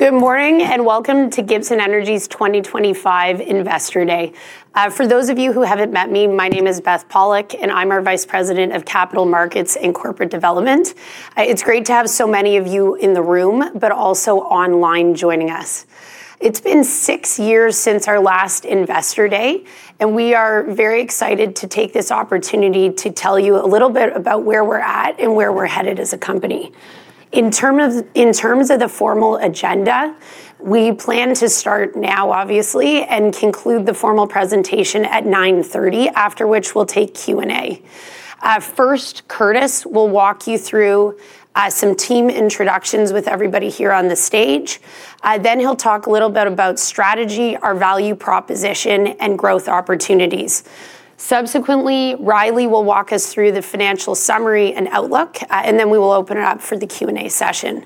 Good morning and welcome to Gibson Energy's 2025 Investor Day. For those of you who haven't met me, my name is Beth Pollock, and I'm our Vice President of Capital Markets and Corporate Development. It's great to have so many of you in the room, but also online joining us. It's been six years since our last Investor Day, and we are very excited to take this opportunity to tell you a little bit about where we're at and where we're headed as a company. In terms of the formal agenda, we plan to start now, obviously, and conclude the formal presentation at 9:30 A.M., after which we'll take Q&A. First, Curtis will walk you through some team introductions with everybody here on the stage. Then he'll talk a little bit about strategy, our value proposition, and growth opportunities. Subsequently, Riley will walk us through the financial summary and outlook, and then we will open it up for the Q&A session.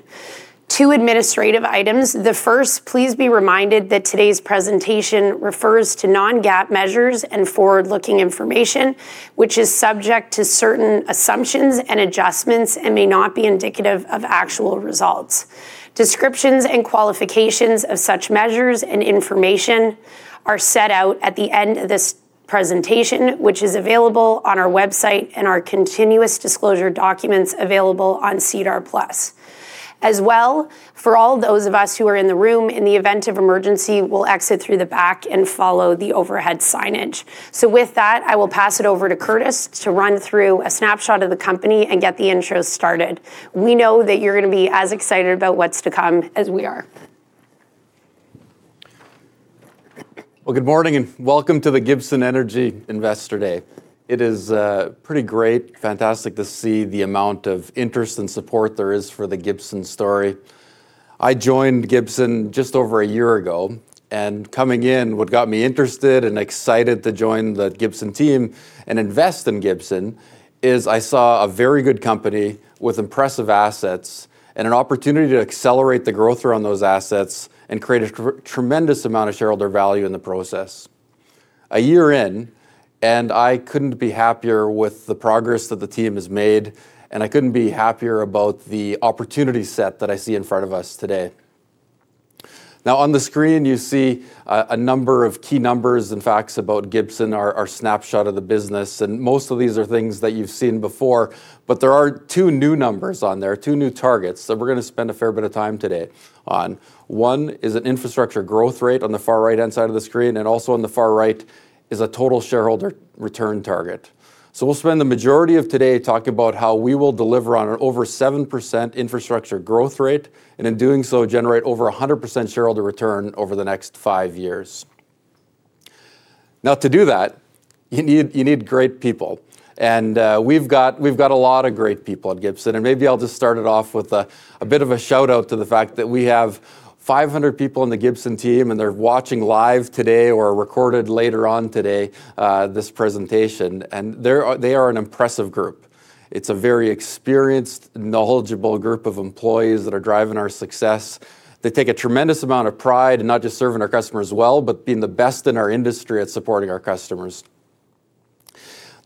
Two administrative items. The first, please be reminded that today's presentation refers to non-GAAP measures and forward-looking information, which is subject to certain assumptions and adjustments and may not be indicative of actual results. Descriptions and qualifications of such measures and information are set out at the end of this presentation, which is available on our website and our continuous disclosure documents available on SEDAR+. As well, for all those of us who are in the room, in the event of emergency, we'll exit through the back and follow the overhead signage. With that, I will pass it over to Curtis to run through a snapshot of the company and get the intro started. We know that you're going to be as excited about what's to come as we are. Good morning and welcome to the Gibson Energy Investor Day. It is pretty great, fantastic to see the amount of interest and support there is for the Gibson story. I joined Gibson just over a year ago, and coming in, what got me interested and excited to join the Gibson team and invest in Gibson is I saw a very good company with impressive assets and an opportunity to accelerate the growth around those assets and create a tremendous amount of shareholder value in the process. A year in, and I could not be happier with the progress that the team has made, and I could not be happier about the opportunity set that I see in front of us today. Now, on the screen, you see a number of key numbers and facts about Gibson, our snapshot of the business, and most of these are things that you've seen before, but there are two new numbers on there, two new targets that we're going to spend a fair bit of time today on. One is an infrastructure growth rate on the far right-hand side of the screen, and also on the far right is a total shareholder return target. We will spend the majority of today talking about how we will deliver on an over 7% infrastructure growth rate and in doing so generate over 100% shareholder return over the next five years. Now, to do that, you need great people, and we've got a lot of great people at Gibson, and maybe I'll just start it off with a bit of a shout-out to the fact that we have 500 people on the Gibson team, and they're watching live today or recorded later on today, this presentation, and they are an impressive group. It's a very experienced, knowledgeable group of employees that are driving our success. They take a tremendous amount of pride in not just serving our customers well, but being the best in our industry at supporting our customers.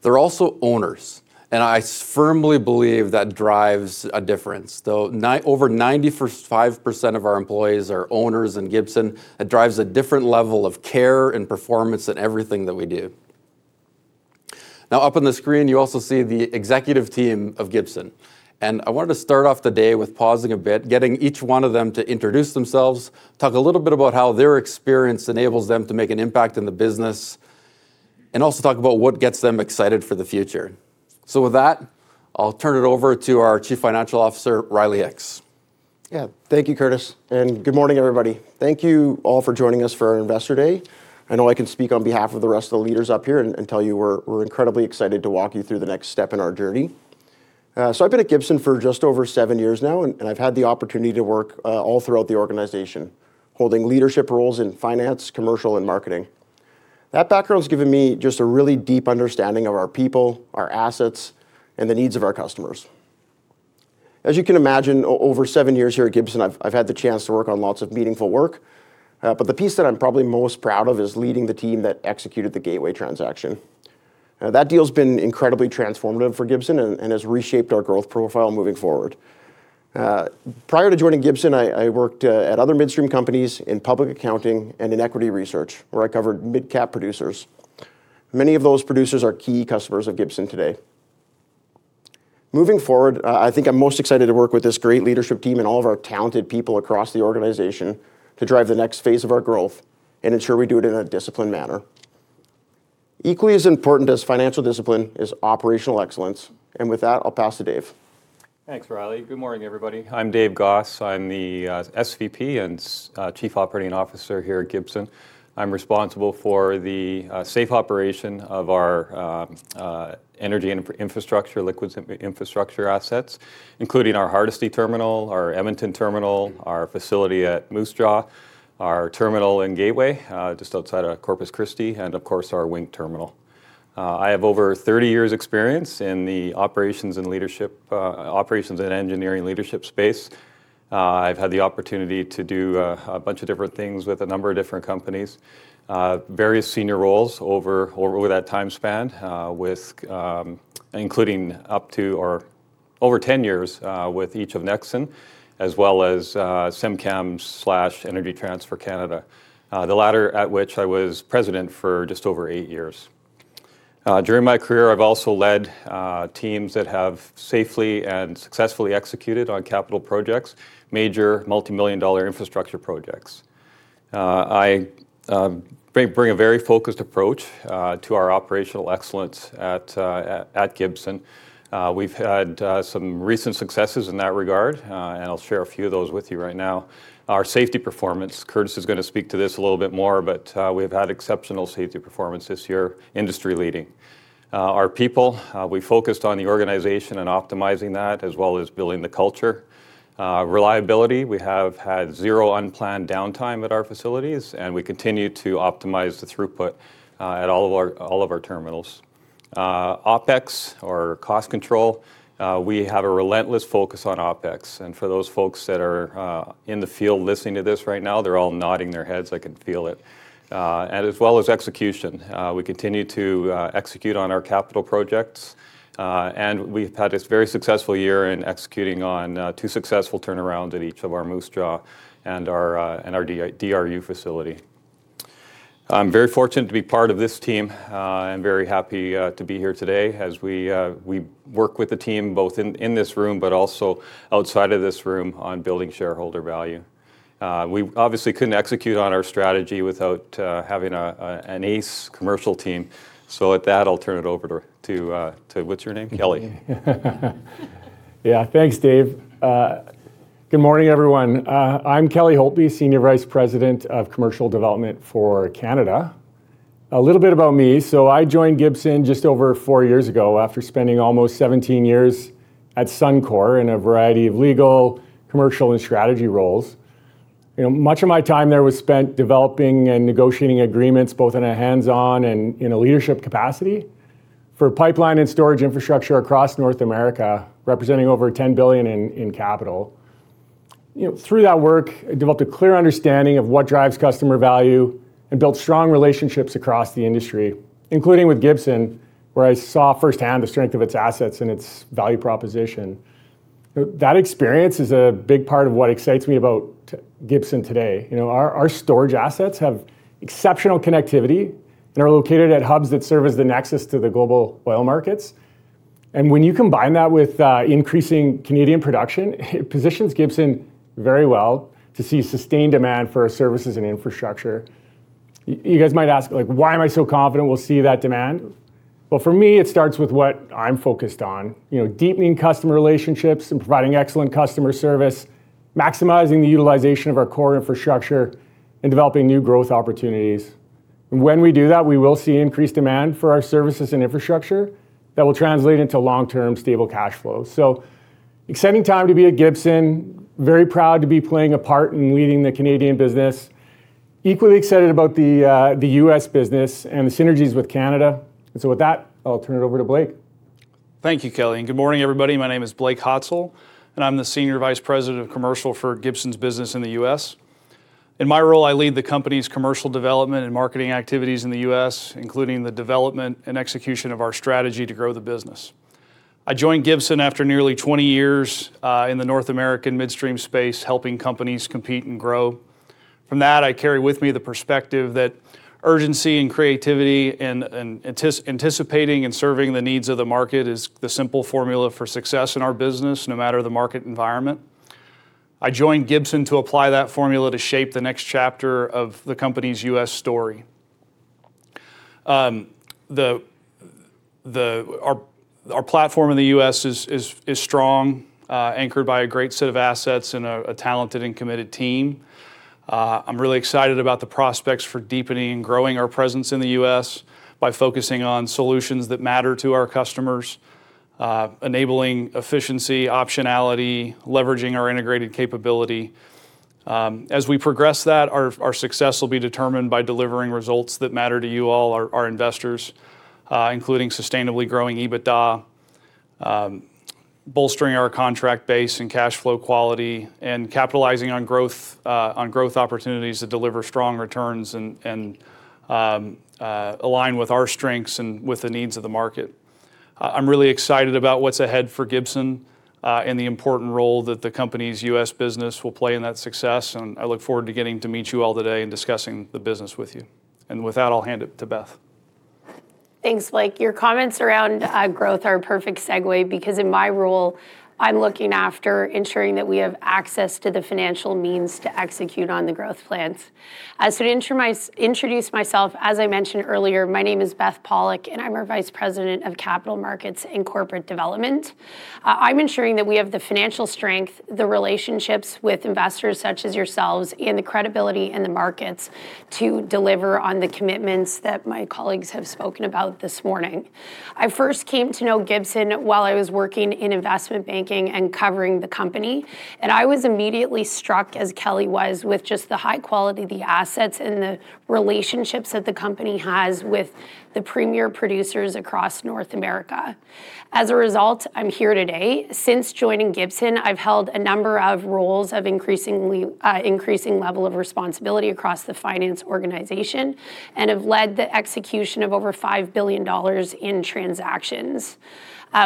They're also owners, and I firmly believe that drives a difference. Over 95% of our employees are owners in Gibson, and it drives a different level of care and performance in everything that we do. Now, up on the screen, you also see the executive team of Gibson, and I wanted to start off the day with pausing a bit, getting each one of them to introduce themselves, talk a little bit about how their experience enables them to make an impact in the business, and also talk about what gets them excited for the future. With that, I'll turn it over to our Chief Financial Officer, Riley Hicks. Yeah, thank you, Curtis, and good morning, everybody. Thank you all for joining us for our Investor Day. I know I can speak on behalf of the rest of the leaders up here and tell you we're incredibly excited to walk you through the next step in our journey. I have been at Gibson for just over seven years now, and I have had the opportunity to work all throughout the organization, holding leadership roles in finance, commercial, and marketing. That background has given me just a really deep understanding of our people, our assets, and the needs of our customers. As you can imagine, over seven years here at Gibson, I have had the chance to work on lots of meaningful work, but the piece that I am probably most proud of is leading the team that executed the Gateway transaction. That deal has been incredibly transformative for Gibson and has reshaped our growth profile moving forward. Prior to joining Gibson, I worked at other midstream companies in public accounting and in equity research, where I covered mid-cap producers. Many of those producers are key customers of Gibson today. Moving forward, I think I'm most excited to work with this great leadership team and all of our talented people across the organization to drive the next phase of our growth and ensure we do it in a disciplined manner. Equally as important as financial discipline is operational excellence, and with that, I'll pass to Dave. Thanks, Riley. Good morning, everybody. I'm Dave Goss. I'm the SVP and Chief Operating Officer here at Gibson. I'm responsible for the safe operation of our energy and infrastructure, liquids and infrastructure assets, including our Hardisty terminal, our Edmonton terminal, our facility at Moose Jaw, our terminal and Gateway just outside of Corpus Christi, and of course, our Wink terminal. I have over 30 years' experience in the operations and engineering leadership space. I've had the opportunity to do a bunch of different things with a number of different companies, various senior roles over that time span, including up to or over 10 years with each of Nexen, as well as SemCAMS/Energy Transfer Canada, the latter at which I was president for just over eight years. During my career, I've also led teams that have safely and successfully executed on capital projects, major multimillion-dollar infrastructure projects. I bring a very focused approach to our operational excellence at Gibson. We've had some recent successes in that regard, and I'll share a few of those with you right now. Our safety performance, Curtis is going to speak to this a little bit more, but we've had exceptional safety performance this year, industry-leading. Our people, we focused on the organization and optimizing that, as well as building the culture. Reliability, we have had zero unplanned downtime at our facilities, and we continue to optimize the throughput at all of our terminals. OpEx, or cost control, we have a relentless focus on OpEx, and for those folks that are in the field listening to this right now, they're all nodding their heads. I can feel it. As well as execution, we continue to execute on our capital projects, and we've had a very successful year in executing on two successful turnarounds at each of our Moose Jaw and our DRU facility. I'm very fortunate to be part of this team. I'm very happy to be here today as we work with the team both in this room, but also outside of this room on building shareholder value. We obviously couldn't execute on our strategy without having an ACE commercial team. With that, I'll turn it over to, what's your name? Kelly. Yeah, thanks, Dave. Good morning, everyone. I'm Kelly Holtby, Senior Vice President of Commercial Development for Canada. A little bit about me, I joined Gibson just over four years ago after spending almost 17 years at Suncor in a variety of legal, commercial, and strategy roles. Much of my time there was spent developing and negotiating agreements both in a hands-on and in a leadership capacity for pipeline and storage infrastructure across North America, representing over $10 billion in capital. Through that work, I developed a clear understanding of what drives customer value and built strong relationships across the industry, including with Gibson, where I saw firsthand the strength of its assets and its value proposition. That experience is a big part of what excites me about Gibson today. Our storage assets have exceptional connectivity and are located at hubs that serve as the nexus to the global oil markets. When you combine that with increasing Canadian production, it positions Gibson very well to see sustained demand for our services and infrastructure. You guys might ask, like, why am I so confident we'll see that demand? For me, it starts with what I'm focused on: deepening customer relationships and providing excellent customer service, maximizing the utilization of our core infrastructure, and developing new growth opportunities. When we do that, we will see increased demand for our services and infrastructure that will translate into long-term stable cash flows. Exciting time to be at Gibson, very proud to be playing a part in leading the Canadian business. Equally excited about the U.S. business and the synergies with Canada. With that, I'll turn it over to Blake. Thank you, Kelly. Good morning, everybody. My name is Blake Hotsell, and I'm the Senior Vice President of Commercial for Gibson's business in the U.S. In my role, I lead the company's commercial development and marketing activities in the U.S., including the development and execution of our strategy to grow the business. I joined Gibson after nearly 20 years in the North American midstream space, helping companies compete and grow. From that, I carry with me the perspective that urgency and creativity and anticipating and serving the needs of the market is the simple formula for success in our business, no matter the market environment. I joined Gibson to apply that formula to shape the next chapter of the company's U.S. story. Our platform in the U.S. is strong, anchored by a great set of assets and a talented and committed team. I'm really excited about the prospects for deepening and growing our presence in the U.S. by focusing on solutions that matter to our customers, enabling efficiency, optionality, leveraging our integrated capability. As we progress that, our success will be determined by delivering results that matter to you all, our investors, including sustainably growing EBITDA, bolstering our contract base and cash flow quality, and capitalizing on growth opportunities to deliver strong returns and align with our strengths and with the needs of the market. I'm really excited about what's ahead for Gibson and the important role that the company's U.S. business will play in that success, and I look forward to getting to meet you all today and discussing the business with you. With that, I'll hand it to Beth. Thanks, Blake. Your comments around growth are a perfect segue because in my role, I'm looking after ensuring that we have access to the financial means to execute on the growth plans. To introduce myself, as I mentioned earlier, my name is Beth Pollock, and I'm our Vice President of Capital Markets and Corporate Development. I'm ensuring that we have the financial strength, the relationships with investors such as yourselves, and the credibility in the markets to deliver on the commitments that my colleagues have spoken about this morning. I first came to know Gibson while I was working in investment banking and covering the company, and I was immediately struck, as Kelly was, with just the high quality of the assets and the relationships that the company has with the premier producers across North America. As a result, I'm here today. Since joining Gibson, I've held a number of roles of increasing level of responsibility across the finance organization and have led the execution of over $5 billion in transactions.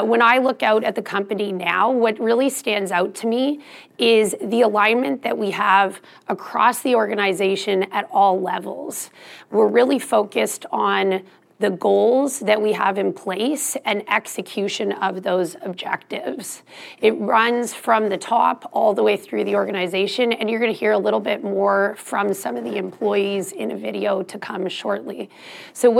When I look out at the company now, what really stands out to me is the alignment that we have across the organization at all levels. We're really focused on the goals that we have in place and execution of those objectives. It runs from the top all the way through the organization, and you're going to hear a little bit more from some of the employees in a video to come shortly.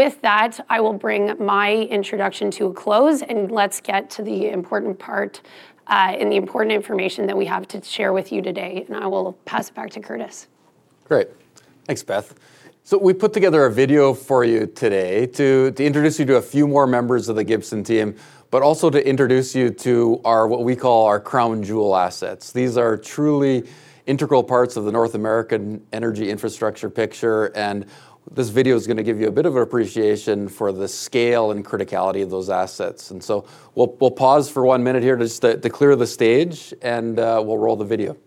With that, I will bring my introduction to a close, and let's get to the important part and the important information that we have to share with you today, and I will pass it back to Curtis. Great. Thanks, Beth. We put together a video for you today to introduce you to a few more members of the Gibson team, but also to introduce you to what we call our crown jewel assets. These are truly integral parts of the North American energy infrastructure picture, and this video is going to give you a bit of an appreciation for the scale and criticality of those assets. We will pause for one minute here just to clear the stage, and we will roll the video.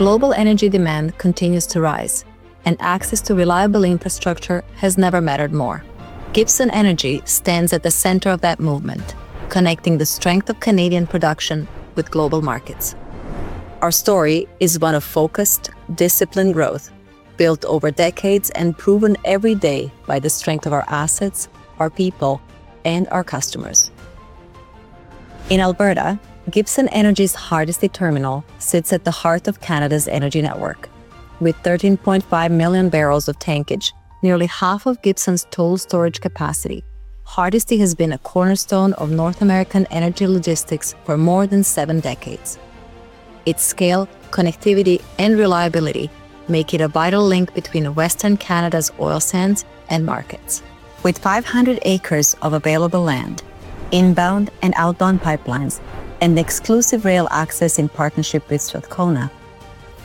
Global energy demand continues to rise, and access to reliable infrastructure has never mattered more. Gibson Energy stands at the center of that movement, connecting the strength of Canadian production with global markets. Our story is one of focused, disciplined growth built over decades and proven every day by the strength of our assets, our people, and our customers. In Alberta, Gibson Energy's Hardesty terminal sits at the heart of Canada's energy network. With 13.5 million barrels of tankage, nearly half of Gibson's total storage capacity, Hardesty has been a cornerstone of North American energy logistics for more than seven decades. Its scale, connectivity, and reliability make it a vital link between Western Canada's oil sands and markets. With 500 acres of available land, inbound and outbound pipelines, and exclusive rail access in partnership with Strathcona,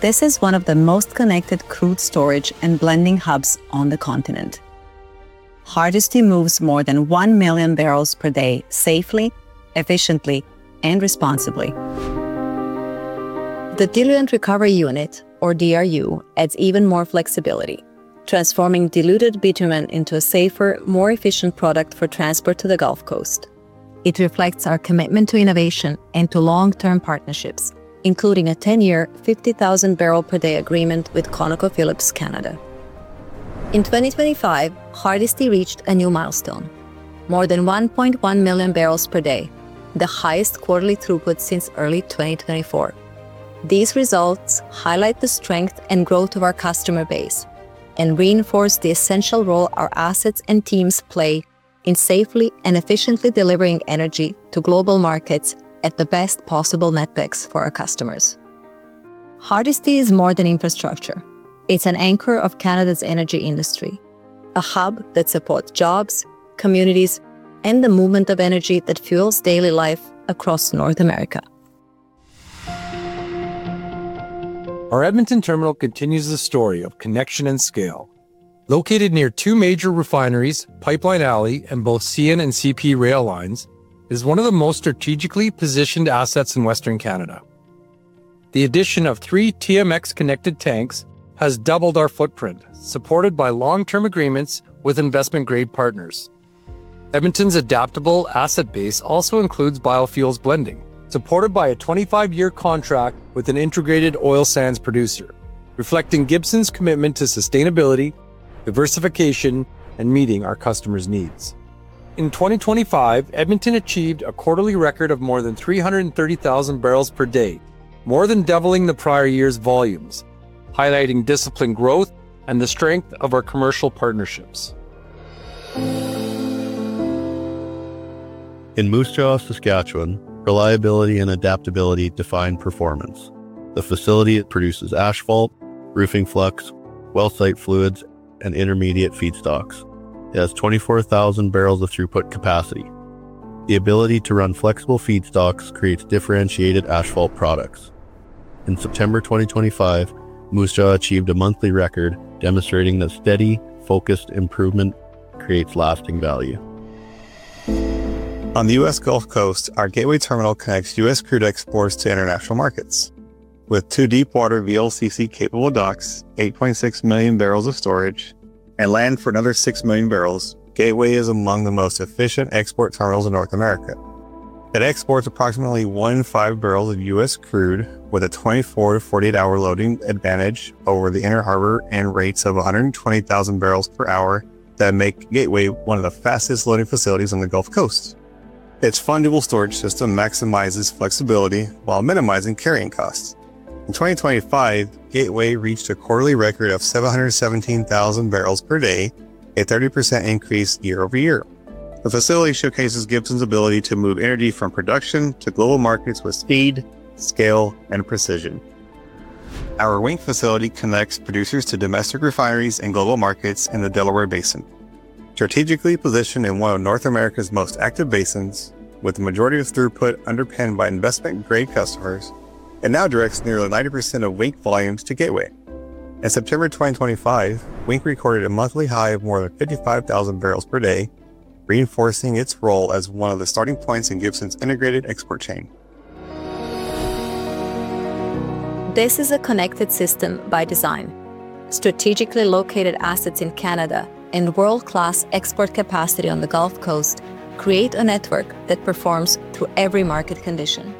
this is one of the most connected crude storage and blending hubs on the continent. Hardesty moves more than 1 million barrels per day safely, efficiently, and responsibly. The Diluent Recovery Unit, or DRU, adds even more flexibility, transforming diluted bitumen into a safer, more efficient product for transport to the Gulf Coast. It reflects our commitment to innovation and to long-term partnerships, including a 10-year, 50,000-barrel-per-day agreement with ConocoPhillips Canada. In 2025, Hardesty reached a new milestone: more than 1.1 million barrels per day, the highest quarterly throughput since early 2024. These results highlight the strength and growth of our customer base and reinforce the essential role our assets and teams play in safely and efficiently delivering energy to global markets at the best possible netbacks for our customers. Hardesty is more than infrastructure. It's an anchor of Canada's energy industry, a hub that supports jobs, communities, and the movement of energy that fuels daily life across North America. Our Edmonton terminal continues the story of connection and scale. Located near two major refineries, Pipeline Alley and both CN and CPKC rail lines, it is one of the most strategically positioned assets in Western Canada. The addition of three TMX-connected tanks has doubled our footprint, supported by long-term agreements with investment-grade partners. Edmonton's adaptable asset base also includes biofuels blending, supported by a 25-year contract with an integrated oil sands producer, reflecting Gibson's commitment to sustainability, diversification, and meeting our customers' needs. In 2025, Edmonton achieved a quarterly record of more than 330,000 barrels per day, more than doubling the prior year's volumes, highlighting disciplined growth and the strength of our commercial partnerships. In Moose Jaw, Saskatchewan, reliability and adaptability define performance. The facility produces asphalt, roofing flux, well-site fluids, and intermediate feedstocks. It has 24,000 barrels of throughput capacity. The ability to run flexible feedstocks creates differentiated asphalt products. In September 2025, Moose Jaw achieved a monthly record demonstrating that steady, focused improvement creates lasting value. On the U.S. Gulf Coast, our Gateway terminal connects U.S. crude exports to international markets. With two deep-water VLCC-capable docks, 8.6 million barrels of storage, and land for another 6 million barrels, Gateway is among the most efficient export terminals in North America. It exports approximately 1 in 5 barrels of U.S. crude, with a 24-48 hour loading advantage over the inner harbor and rates of 120,000 barrels per hour that make Gateway one of the fastest loading facilities on the Gulf Coast. Its fungible storage system maximizes flexibility while minimizing carrying costs. In 2025, Gateway reached a quarterly record of 717,000 barrels per day, a 30% increase year over year. The facility showcases Gibson's ability to move energy from production to global markets with speed, scale, and precision. Our Wink facility connects producers to domestic refineries and global markets in the Delaware Basin. Strategically positioned in one of North America's most active basins, with the majority of its throughput underpinned by investment-grade customers, it now directs nearly 90% of Wink volumes to Gateway. In September 2023, Wink recorded a monthly high of more than 55,000 barrels per day, reinforcing its role as one of the starting points in Gibson's integrated export chain. This is a connected system by design. Strategically located assets in Canada and world-class export capacity on the Gulf Coast create a network that performs through every market condition.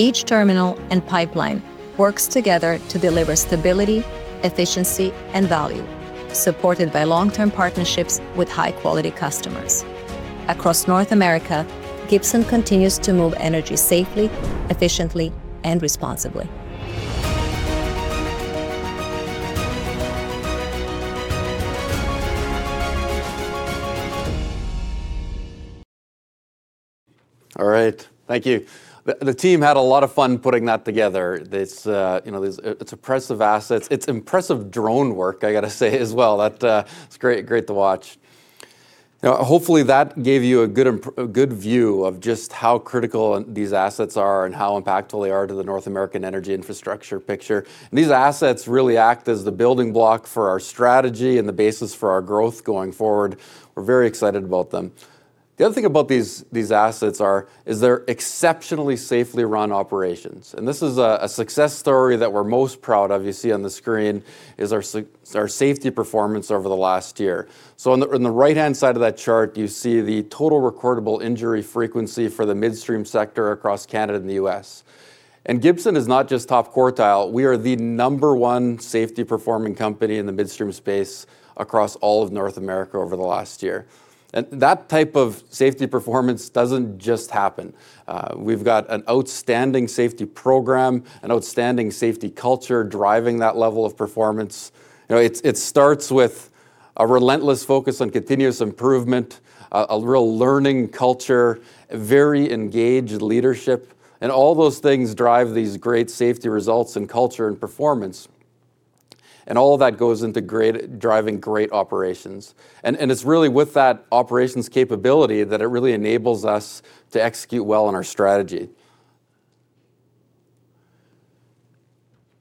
Each terminal and pipeline works together to deliver stability, efficiency, and value, supported by long-term partnerships with high-quality customers. Across North America, Gibson continues to move energy safely, efficiently, and responsibly. All right. Thank you. The team had a lot of fun putting that together. It's impressive assets. It's impressive drone work, I got to say, as well. That's great to watch. Hopefully, that gave you a good view of just how critical these assets are and how impactful they are to the North American energy infrastructure picture. These assets really act as the building block for our strategy and the basis for our growth going forward. We're very excited about them. The other thing about these assets is they're exceptionally safely run operations. This is a success story that we're most proud of. You see on the screen is our safety performance over the last year. On the right-hand side of that chart, you see the total recordable injury frequency for the midstream sector across Canada and the U.S. Gibson is not just top quartile. We are the number one safety-performing company in the midstream space across all of North America over the last year. That type of safety performance does not just happen. We have got an outstanding safety program, an outstanding safety culture driving that level of performance. It starts with a relentless focus on continuous improvement, a real learning culture, very engaged leadership, and all those things drive these great safety results and culture and performance. All of that goes into driving great operations. It is really with that operations capability that it really enables us to execute well on our strategy.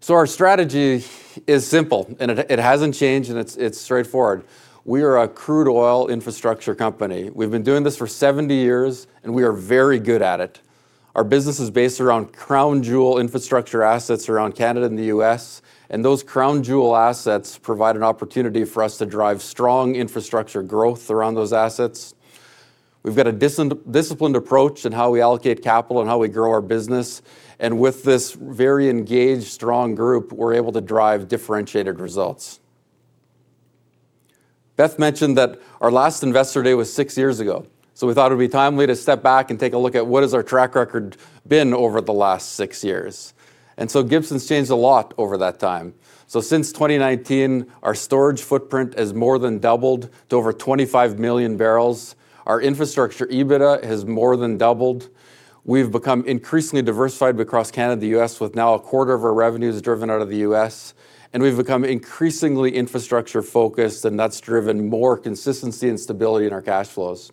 Our strategy is simple, and it has not changed, and it is straightforward. We are a crude oil infrastructure company. We have been doing this for 70 years, and we are very good at it. Our business is based around crown jewel infrastructure assets around Canada and the U.S. Those crown jewel assets provide an opportunity for us to drive strong infrastructure growth around those assets. We've got a disciplined approach in how we allocate capital and how we grow our business. With this very engaged, strong group, we're able to drive differentiated results. Beth mentioned that our last investor day was six years ago. We thought it would be timely to step back and take a look at what has our track record been over the last six years. Gibson's changed a lot over that time. Since 2019, our storage footprint has more than doubled to over 25 million barrels. Our infrastructure EBITDA has more than doubled. We've become increasingly diversified across Canada and the U.S., with now a quarter of our revenues driven out of the U.S. We have become increasingly infrastructure-focused, and that has driven more consistency and stability in our cash flows.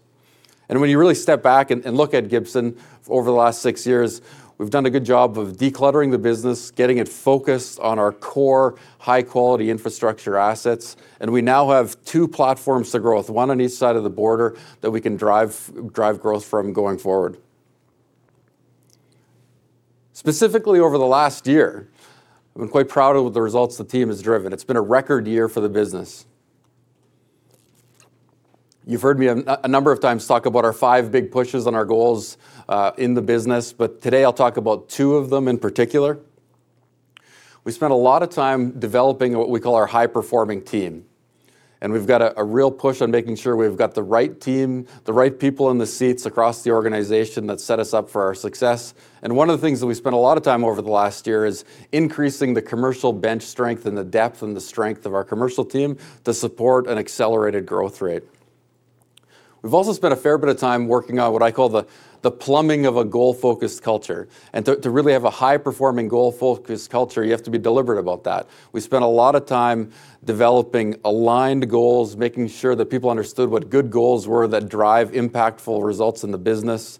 When you really step back and look at Gibson over the last six years, we have done a good job of decluttering the business, getting it focused on our core high-quality infrastructure assets. We now have two platforms to grow with, one on each side of the border that we can drive growth from going forward. Specifically, over the last year, I have been quite proud of the results the team has driven. It has been a record year for the business. You have heard me a number of times talk about our five big pushes on our goals in the business, but today I will talk about two of them in particular. We spent a lot of time developing what we call our high-performing team. We have got a real push on making sure we have got the right team, the right people in the seats across the organization that set us up for our success. One of the things that we spent a lot of time over the last year is increasing the commercial bench strength and the depth and the strength of our commercial team to support an accelerated growth rate. We have also spent a fair bit of time working on what I call the plumbing of a goal-focused culture. To really have a high-performing goal-focused culture, you have to be deliberate about that. We spent a lot of time developing aligned goals, making sure that people understood what good goals were that drive impactful results in the business.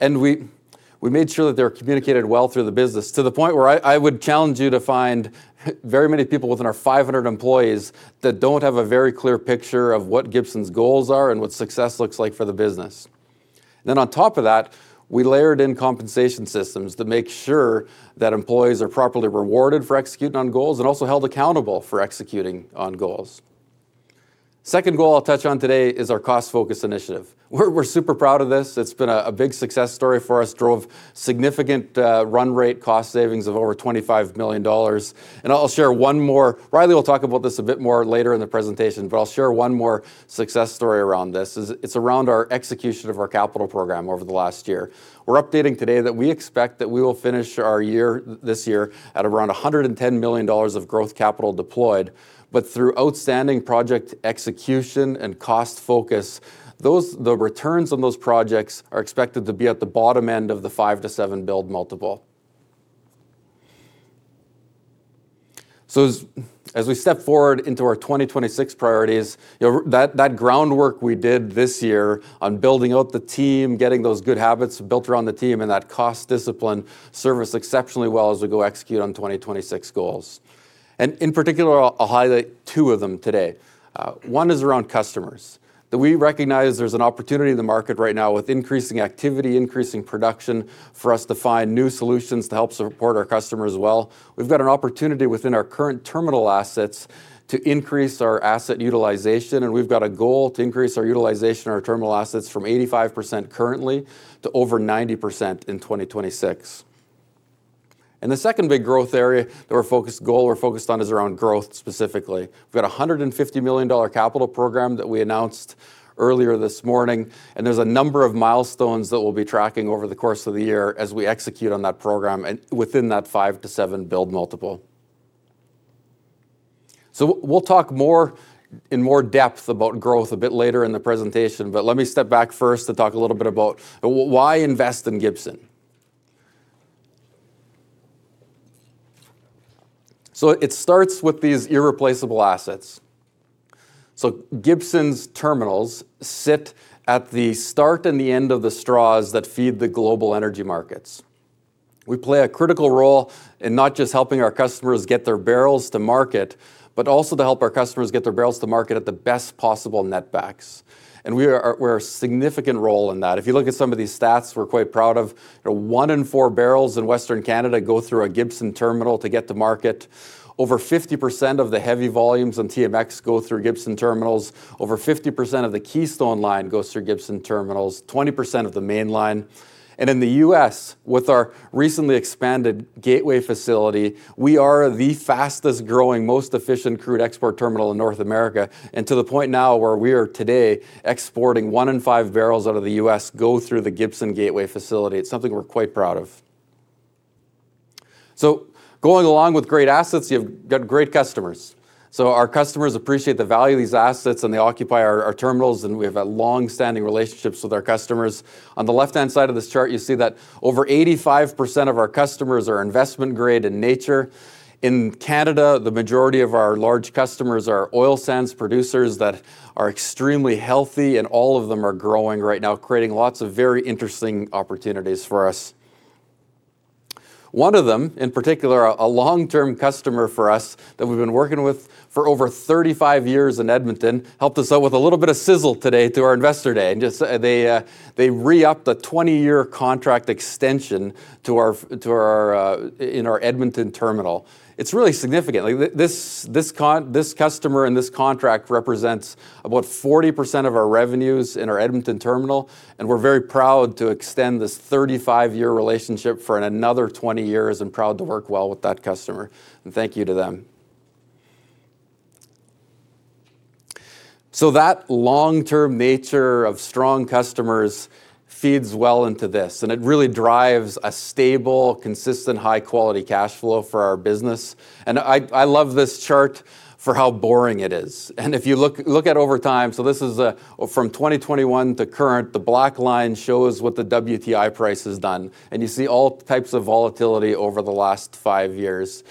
We made sure that they were communicated well through the business to the point where I would challenge you to find very many people within our 500 employees that do not have a very clear picture of what Gibson's goals are and what success looks like for the business. On top of that, we layered in compensation systems to make sure that employees are properly rewarded for executing on goals and also held accountable for executing on goals. The second goal I will touch on today is our cost-focused initiative. We are super proud of this. It has been a big success story for us. It drove significant run rate cost savings of over 25 million dollars. I will share one more. Riley will talk about this a bit more later in the presentation, but I will share one more success story around this. It's around our execution of our capital program over the last year. We're updating today that we expect that we will finish our year this year at around 110 million dollars of growth capital deployed. Through outstanding project execution and cost focus, the returns on those projects are expected to be at the bottom end of the 5-7 build multiple. As we step forward into our 2026 priorities, that groundwork we did this year on building out the team, getting those good habits built around the team, and that cost discipline serve us exceptionally well as we go execute on 2026 goals. In particular, I'll highlight two of them today. One is around customers. We recognize there's an opportunity in the market right now with increasing activity, increasing production for us to find new solutions to help support our customers well. We've got an opportunity within our current terminal assets to increase our asset utilization. We've got a goal to increase our utilization of our terminal assets from 85% currently to over 90% in 2026. The second big growth area that we're focused on is around growth specifically. We've got a $150 million capital program that we announced earlier this morning. There are a number of milestones that we'll be tracking over the course of the year as we execute on that program within that five- to seven-build multiple. We'll talk more in more depth about growth a bit later in the presentation. Let me step back first to talk a little bit about why invest in Gibson. It starts with these irreplaceable assets. Gibson's terminals sit at the start and the end of the straws that feed the global energy markets. We play a critical role in not just helping our customers get their barrels to market, but also to help our customers get their barrels to market at the best possible netbacks. We are a significant role in that. If you look at some of these stats, we are quite proud of one in four barrels in Western Canada go through a Gibson terminal to get to market. Over 50% of the heavy volumes on TMX go through Gibson terminals. Over 50% of the Keystone line goes through Gibson terminals, 20% of the Mainline. In the U.S., with our recently expanded Gateway facility, we are the fastest growing, most efficient crude export terminal in North America. To the point now where we are today exporting one in five barrels out of the U.S. go through the Gibson Gateway facility. It is something we are quite proud of. Going along with great assets, you've got great customers. Our customers appreciate the value of these assets, and they occupy our terminals, and we have long-standing relationships with our customers. On the left-hand side of this chart, you see that over 85% of our customers are investment-grade in nature. In Canada, the majority of our large customers are oil sands producers that are extremely healthy, and all of them are growing right now, creating lots of very interesting opportunities for us. One of them, in particular, a long-term customer for us that we've been working with for over 35 years in Edmonton, helped us out with a little bit of sizzle today to our investor day. They re-upped a 20-year contract extension in our Edmonton terminal. It's really significant. This customer and this contract represents about 40% of our revenues in our Edmonton terminal. We're very proud to extend this 35-year relationship for another 20 years and proud to work well with that customer. Thank you to them. That long-term nature of strong customers feeds well into this. It really drives a stable, consistent, high-quality cash flow for our business. I love this chart for how boring it is. If you look at over time, this is from 2021 to current, the black line shows what the WTI price has done. You see all types of volatility over the last five years.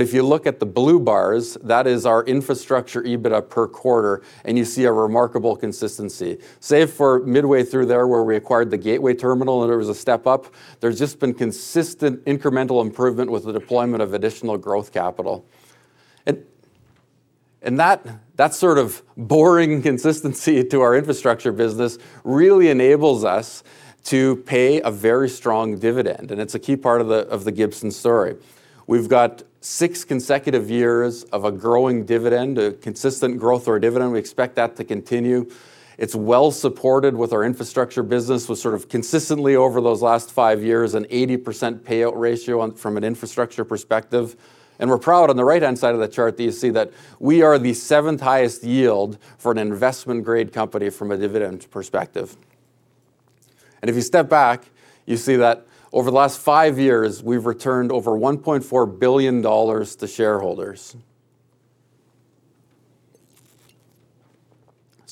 If you look at the blue bars, that is our infrastructure EBITDA per quarter. You see a remarkable consistency, save for midway through there where we acquired the Gateway terminal and it was a step up. There's just been consistent incremental improvement with the deployment of additional growth capital. That sort of boring consistency to our infrastructure business really enables us to pay a very strong dividend. It is a key part of the Gibson story. We have six consecutive years of a growing dividend, a consistent growth or dividend. We expect that to continue. It is well-supported with our infrastructure business, was sort of consistently over those last five years, an 80% payout ratio from an infrastructure perspective. We are proud on the right-hand side of the chart that you see that we are the seventh highest yield for an investment-grade company from a dividend perspective. If you step back, you see that over the last five years, we have returned over 1.4 billion dollars to shareholders.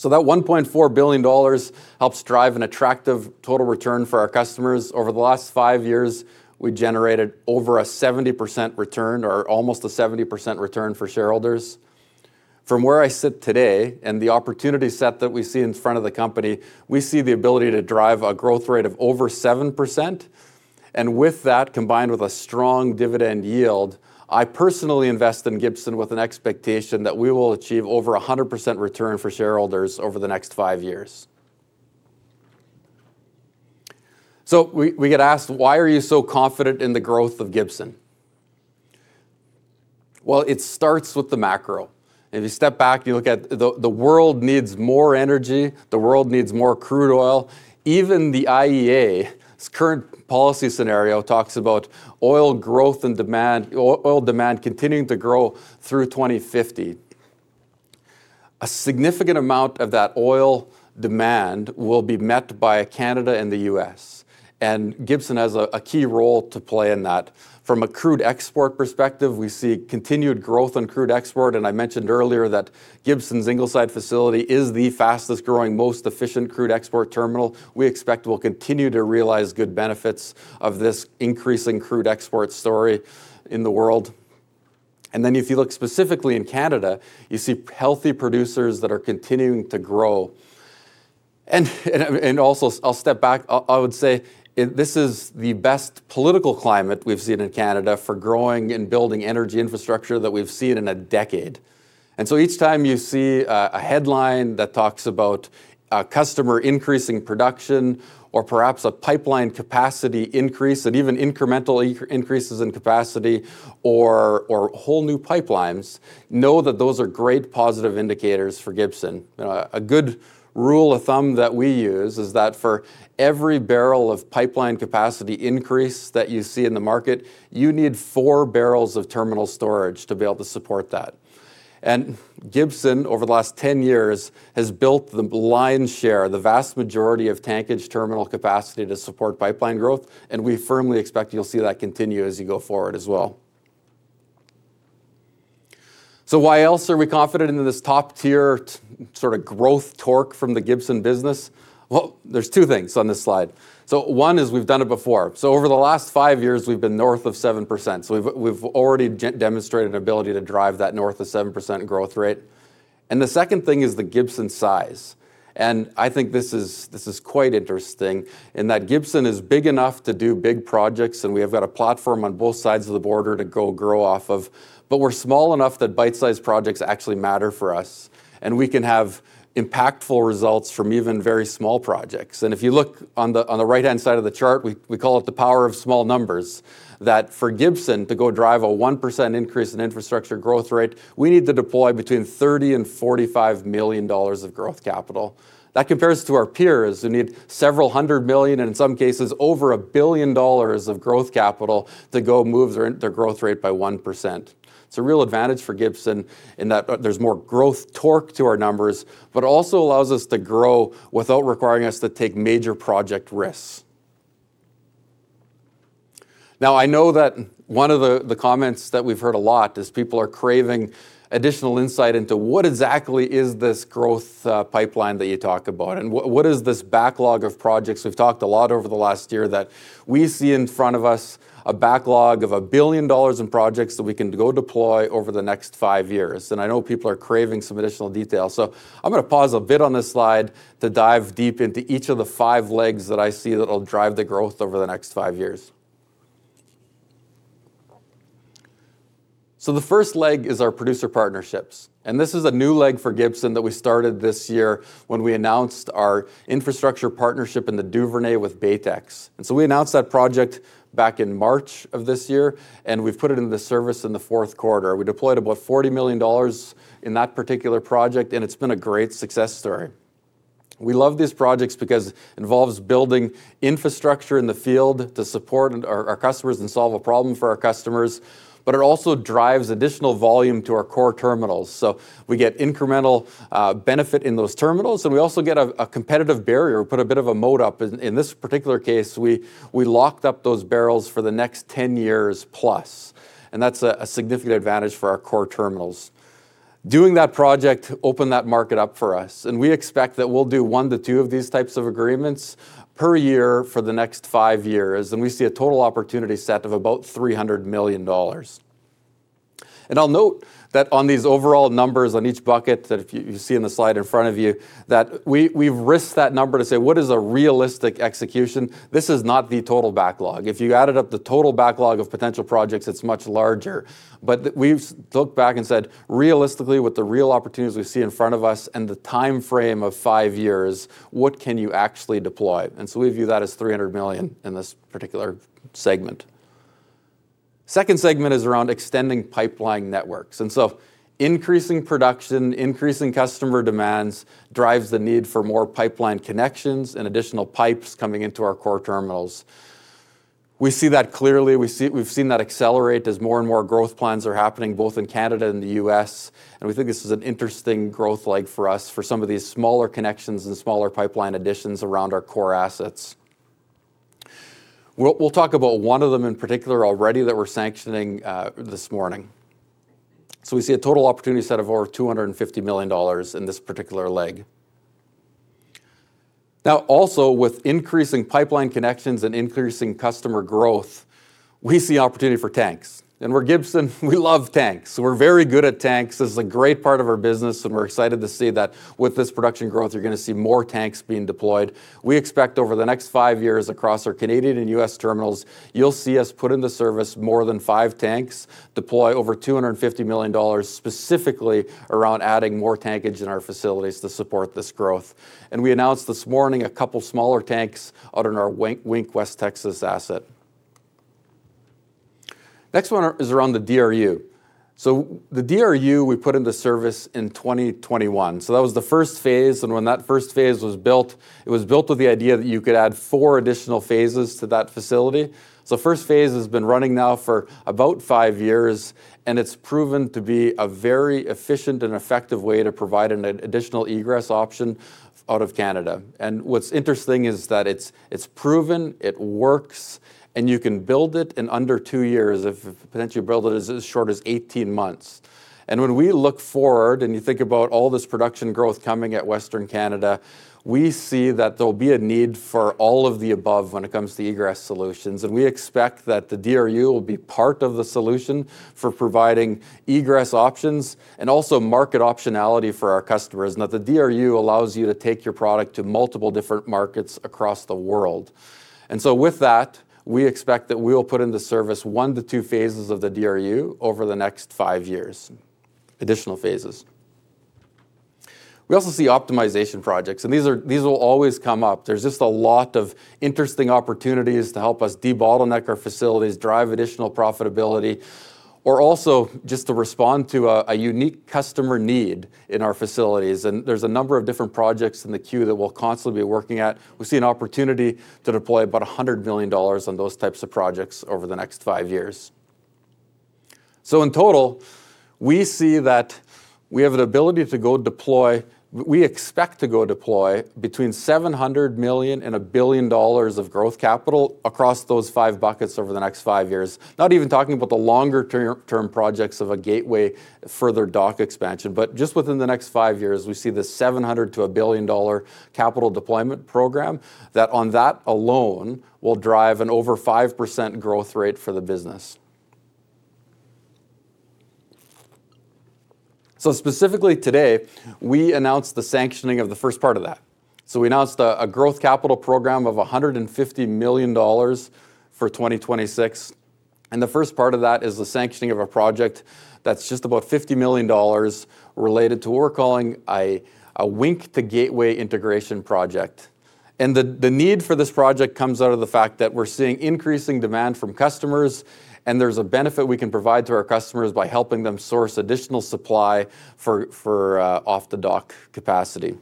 That 1.4 billion dollars helps drive an attractive total return for our customers. Over the last five years, we generated over a 70% return or almost a 70% return for shareholders. From where I sit today and the opportunity set that we see in front of the company, we see the ability to drive a growth rate of over 7%. With that, combined with a strong dividend yield, I personally invest in Gibson with an expectation that we will achieve over 100% return for shareholders over the next five years. We get asked, why are you so confident in the growth of Gibson? It starts with the macro. If you step back, you look at the world needs more energy. The world needs more crude oil. Even the IEA, its current policy scenario, talks about oil growth and demand, oil demand continuing to grow through 2050. A significant amount of that oil demand will be met by Canada and the U.S. Gibson has a key role to play in that. From a crude export perspective, we see continued growth in crude export. I mentioned earlier that Gibson's Ingleside facility is the fastest growing, most efficient crude export terminal. We expect we'll continue to realize good benefits of this increasing crude export story in the world. If you look specifically in Canada, you see healthy producers that are continuing to grow. Also, I'll step back. I would say this is the best political climate we've seen in Canada for growing and building energy infrastructure that we've seen in a decade. Each time you see a headline that talks about a customer increasing production or perhaps a pipeline capacity increase and even incremental increases in capacity or whole new pipelines, know that those are great positive indicators for Gibson. A good rule of thumb that we use is that for every barrel of pipeline capacity increase that you see in the market, you need four barrels of terminal storage to be able to support that. Gibson, over the last 10 years, has built the lion's share, the vast majority of tankage terminal capacity to support pipeline growth. We firmly expect you'll see that continue as you go forward as well. Why else are we confident in this top-tier sort of growth torque from the Gibson business? There are two things on this slide. One is we've done it before. Over the last five years, we've been north of 7%. We've already demonstrated an ability to drive that north of 7% growth rate. The second thing is the Gibson size. I think this is quite interesting in that Gibson is big enough to do big projects. We have got a platform on both sides of the border to go grow off of. We're small enough that bite-sized projects actually matter for us. We can have impactful results from even very small projects. If you look on the right-hand side of the chart, we call it the power of small numbers that for Gibson to go drive a 1% increase in infrastructure growth rate, we need to deploy between 30 million-45 million dollars of growth capital. That compares to our peers who need several hundred million and in some cases over a billion dollars of growth capital to go move their growth rate by 1%. It's a real advantage for Gibson in that there's more growth torque to our numbers, but it also allows us to grow without requiring us to take major project risks. Now, I know that one of the comments that we've heard a lot is people are craving additional insight into what exactly is this growth pipeline that you talk about and what is this backlog of projects. We've talked a lot over the last year that we see in front of us a backlog of $1 billion in projects that we can go deploy over the next five years. I know people are craving some additional detail. I'm going to pause a bit on this slide to dive deep into each of the five legs that I see that will drive the growth over the next five years. The first leg is our producer partnerships. This is a new leg for Gibson that we started this year when we announced our infrastructure partnership in the Duvernay with Baytex. We announced that project back in March of this year. We put it into service in the fourth quarter. We deployed about 40 million dollars in that particular project. It has been a great success story. We love these projects because it involves building infrastructure in the field to support our customers and solve a problem for our customers. It also drives additional volume to our core terminals. We get incremental benefit in those terminals. We also get a competitive barrier. We put a bit of a moat up. In this particular case, we locked up those barrels for the next 10 years +. That is a significant advantage for our core terminals. Doing that project opened that market up for us. We expect that we'll do one to two of these types of agreements per year for the next five years. We see a total opportunity set of about 300 million dollars. I'll note that on these overall numbers on each bucket that you see in the slide in front of you, we've risked that number to say, what is a realistic execution? This is not the total backlog. If you added up the total backlog of potential projects, it's much larger. We've looked back and said, realistically, with the real opportunities we see in front of us and the timeframe of five years, what can you actually deploy? We view that as 300 million in this particular segment. The second segment is around extending pipeline networks. Increasing production, increasing customer demands drives the need for more pipeline connections and additional pipes coming into our core terminals. We see that clearly. We've seen that accelerate as more and more growth plans are happening both in Canada and the U.S. We think this is an interesting growth leg for us for some of these smaller connections and smaller pipeline additions around our core assets. We'll talk about one of them in particular already that we're sanctioning this morning. We see a total opportunity set of over 250 million dollars in this particular leg. Now, also with increasing pipeline connections and increasing customer growth, we see opportunity for tanks. We're Gibson. We love tanks. We're very good at tanks. This is a great part of our business. We're excited to see that with this production growth, you're going to see more tanks being deployed. We expect over the next five years across our Canadian and U.S. terminals, you'll see us put into service more than five tanks, deploy over 250 million dollars specifically around adding more tankage in our facilities to support this growth. We announced this morning a couple of smaller tanks out in our Wink, West Texas asset. The next one is around the DRU. The DRU we put into service in 2021. That was the first phase. When that first phase was built, it was built with the idea that you could add four additional phases to that facility. The first phase has been running now for about five years. It's proven to be a very efficient and effective way to provide an additional egress option out of Canada. What's interesting is that it's proven, it works, and you can build it in under two years. If potentially you build it as short as 18 months. When we look forward and you think about all this production growth coming at Western Canada, we see that there will be a need for all of the above when it comes to egress solutions. We expect that the DRU will be part of the solution for providing egress options and also market optionality for our customers. The DRU allows you to take your product to multiple different markets across the world. With that, we expect that we will put into service one to two phases of the DRU over the next five years, additional phases. We also see optimization projects. These will always come up. There are just a lot of interesting opportunities to help us de-bottleneck our facilities, drive additional profitability, or also just to respond to a unique customer need in our facilities. There are a number of different projects in the queue that we'll constantly be working at. We see an opportunity to deploy about 100 million dollars on those types of projects over the next five years. In total, we see that we have an ability to go deploy, we expect to go deploy between 700 million and 1 billion dollars of growth capital across those five buckets over the next five years. Not even talking about the longer-term projects of a Gateway terminal further dock expansion. Just within the next five years, we see the 700 million-1 billion dollar capital deployment program that on that alone will drive an over 5% growth rate for the business. Specifically today, we announced the sanctioning of the first part of that. We announced a growth capital program of 150 million dollars for 2026. The first part of that is the sanctioning of a project that's just about 50 million dollars related to what we're calling a Wink to Gateway integration project. The need for this project comes out of the fact that we're seeing increasing demand from customers. There's a benefit we can provide to our customers by helping them source additional supply for off-the-dock capacity.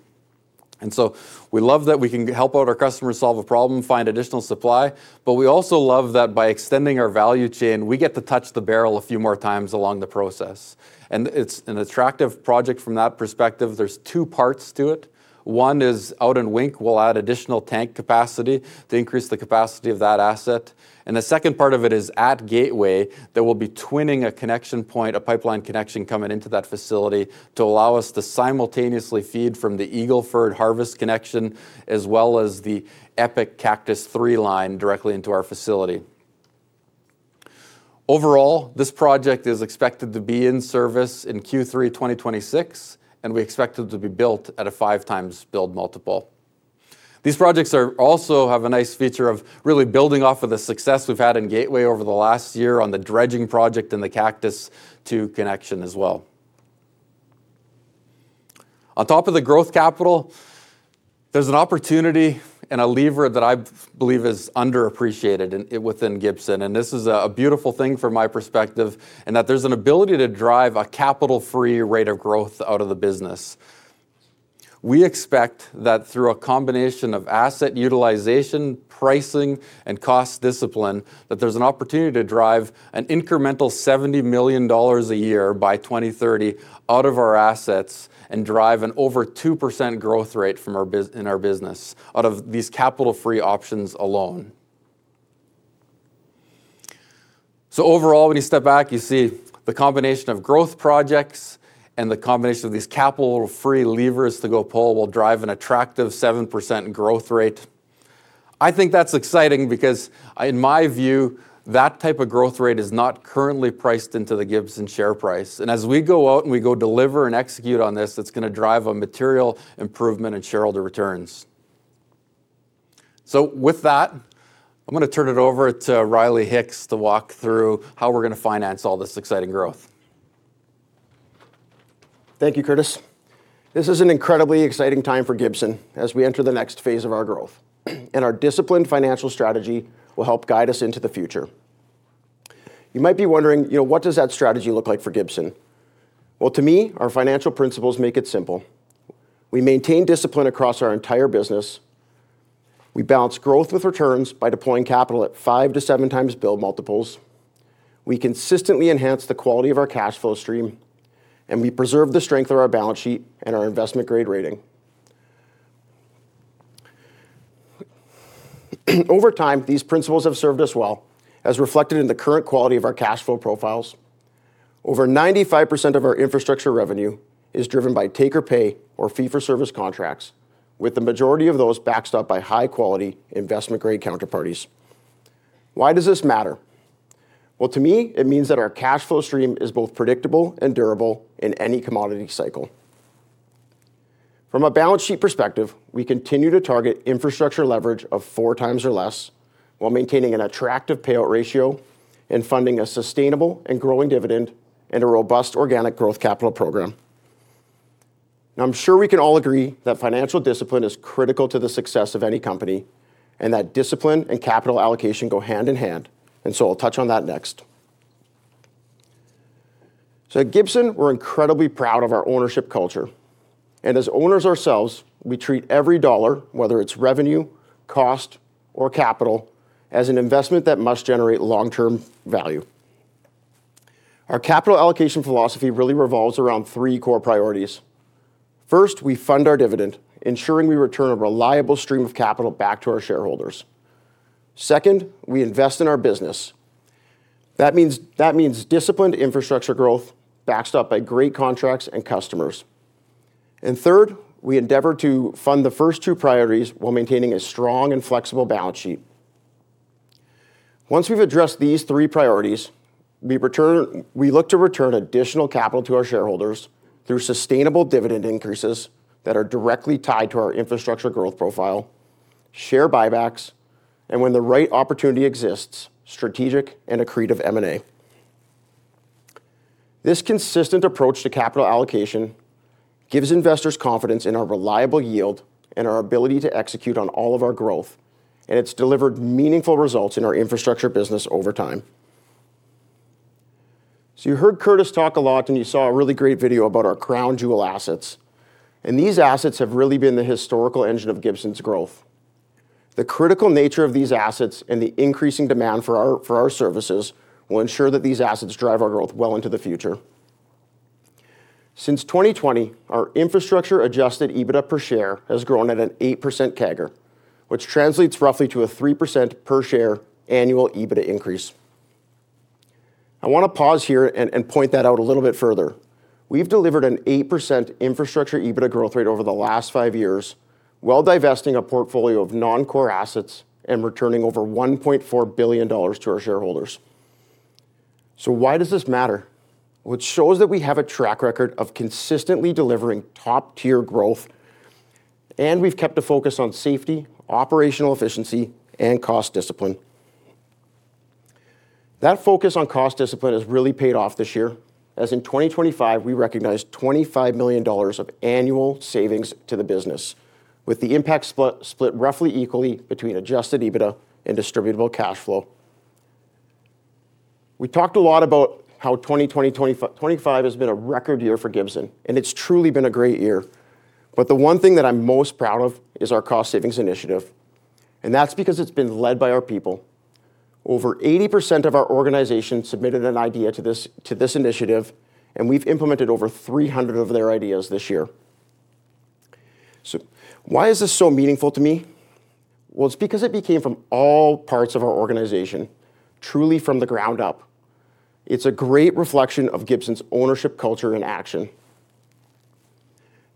We love that we can help out our customers solve a problem, find additional supply. We also love that by extending our value chain, we get to touch the barrel a few more times along the process. It's an attractive project from that perspective. There are two parts to it. One is out in Wink, where we'll add additional tank capacity to increase the capacity of that asset. The second part of it is at Gateway that will be twinning a connection point, a pipeline connection coming into that facility to allow us to simultaneously feed from the Eagle Ford harvest connection as well as the EPIC Cactus 3 line directly into our facility. Overall, this project is expected to be in service in Q3 2026. We expect it to be built at a five times build multiple. These projects also have a nice feature of really building off of the success we've had in Gateway over the last year on the dredging project and the Cactus II connection as well. On top of the growth capital, there's an opportunity and a lever that I believe is underappreciated within Gibson. This is a beautiful thing from my perspective in that there's an ability to drive a capital-free rate of growth out of the business. We expect that through a combination of asset utilization, pricing, and cost discipline, that there's an opportunity to drive an incremental 70 million dollars a year by 2030 out of our assets and drive an over 2% growth rate in our business out of these capital-free options alone. Overall, when you step back, you see the combination of growth projects and the combination of these capital-free levers to go pull will drive an attractive 7% growth rate. I think that's exciting because in my view, that type of growth rate is not currently priced into the Gibson share price. As we go out and we go deliver and execute on this, it's going to drive a material improvement in shareholder returns. With that, I'm going to turn it over to Riley Hicks to walk through how we're going to finance all this exciting growth. Thank you, Curtis. This is an incredibly exciting time for Gibson as we enter the next phase of our growth. Our disciplined financial strategy will help guide us into the future. You might be wondering, you know, what does that strategy look like for Gibson? To me, our financial principles make it simple. We maintain discipline across our entire business. We balance growth with returns by deploying capital at 5 times build multiples-7 times build multiples. We consistently enhance the quality of our cash flow stream. We preserve the strength of our balance sheet and our investment-grade rating. Over time, these principles have served us well as reflected in the current quality of our cash flow profiles. Over 95% of our infrastructure revenue is driven by take-or-pay or fee-for-service contracts, with the majority of those backed up by high-quality investment-grade counterparties. Why does this matter? To me, it means that our cash flow stream is both predictable and durable in any commodity cycle. From a balance sheet perspective, we continue to target infrastructure leverage of four times or less while maintaining an attractive payout ratio and funding a sustainable and growing dividend and a robust organic growth capital program. I'm sure we can all agree that financial discipline is critical to the success of any company and that discipline and capital allocation go hand in hand. I'll touch on that next. At Gibson, we're incredibly proud of our ownership culture. As owners ourselves, we treat every dollar, whether it's revenue, cost, or capital, as an investment that must generate long-term value. Our capital allocation philosophy really revolves around three core priorities. First, we fund our dividend, ensuring we return a reliable stream of capital back to our shareholders. Second, we invest in our business. That means disciplined infrastructure growth backed up by great contracts and customers. Third, we endeavor to fund the first two priorities while maintaining a strong and flexible balance sheet. Once we have addressed these three priorities, we look to return additional capital to our shareholders through sustainable dividend increases that are directly tied to our infrastructure growth profile, share buybacks, and when the right opportunity exists, strategic and accretive M&A. This consistent approach to capital allocation gives investors confidence in our reliable yield and our ability to execute on all of our growth. It has delivered meaningful results in our infrastructure business over time. You heard Curtis talk a lot and you saw a really great video about our crown jewel assets. These assets have really been the historical engine of Gibson's growth. The critical nature of these assets and the increasing demand for our services will ensure that these assets drive our growth well into the future. Since 2020, our infrastructure adjusted EBITDA per share has grown at an 8% CAGR, which translates roughly to a 3% per share annual EBITDA increase. I want to pause here and point that out a little bit further. We have delivered an 8% infrastructure EBITDA growth rate over the last five years, while divesting a portfolio of non-core assets and returning over 1.4 billion dollars to our shareholders. Why does this matter? It shows that we have a track record of consistently delivering top-tier growth, and we have kept the focus on safety, operational efficiency, and cost discipline. That focus on cost discipline has really paid off this year, as in 2025, we recognize 25 million dollars of annual savings to the business, with the impact split roughly equally between adjusted EBITDA and distributable cash flow. We talked a lot about how 2024-2025 has been a record year for Gibson, and it's truly been a great year. The one thing that I'm most proud of is our cost savings initiative. That's because it's been led by our people. Over 80% of our organization submitted an idea to this initiative, and we've implemented over 300 of their ideas this year. Why is this so meaningful to me? It's because it came from all parts of our organization, truly from the ground up. It's a great reflection of Gibson's ownership culture in action.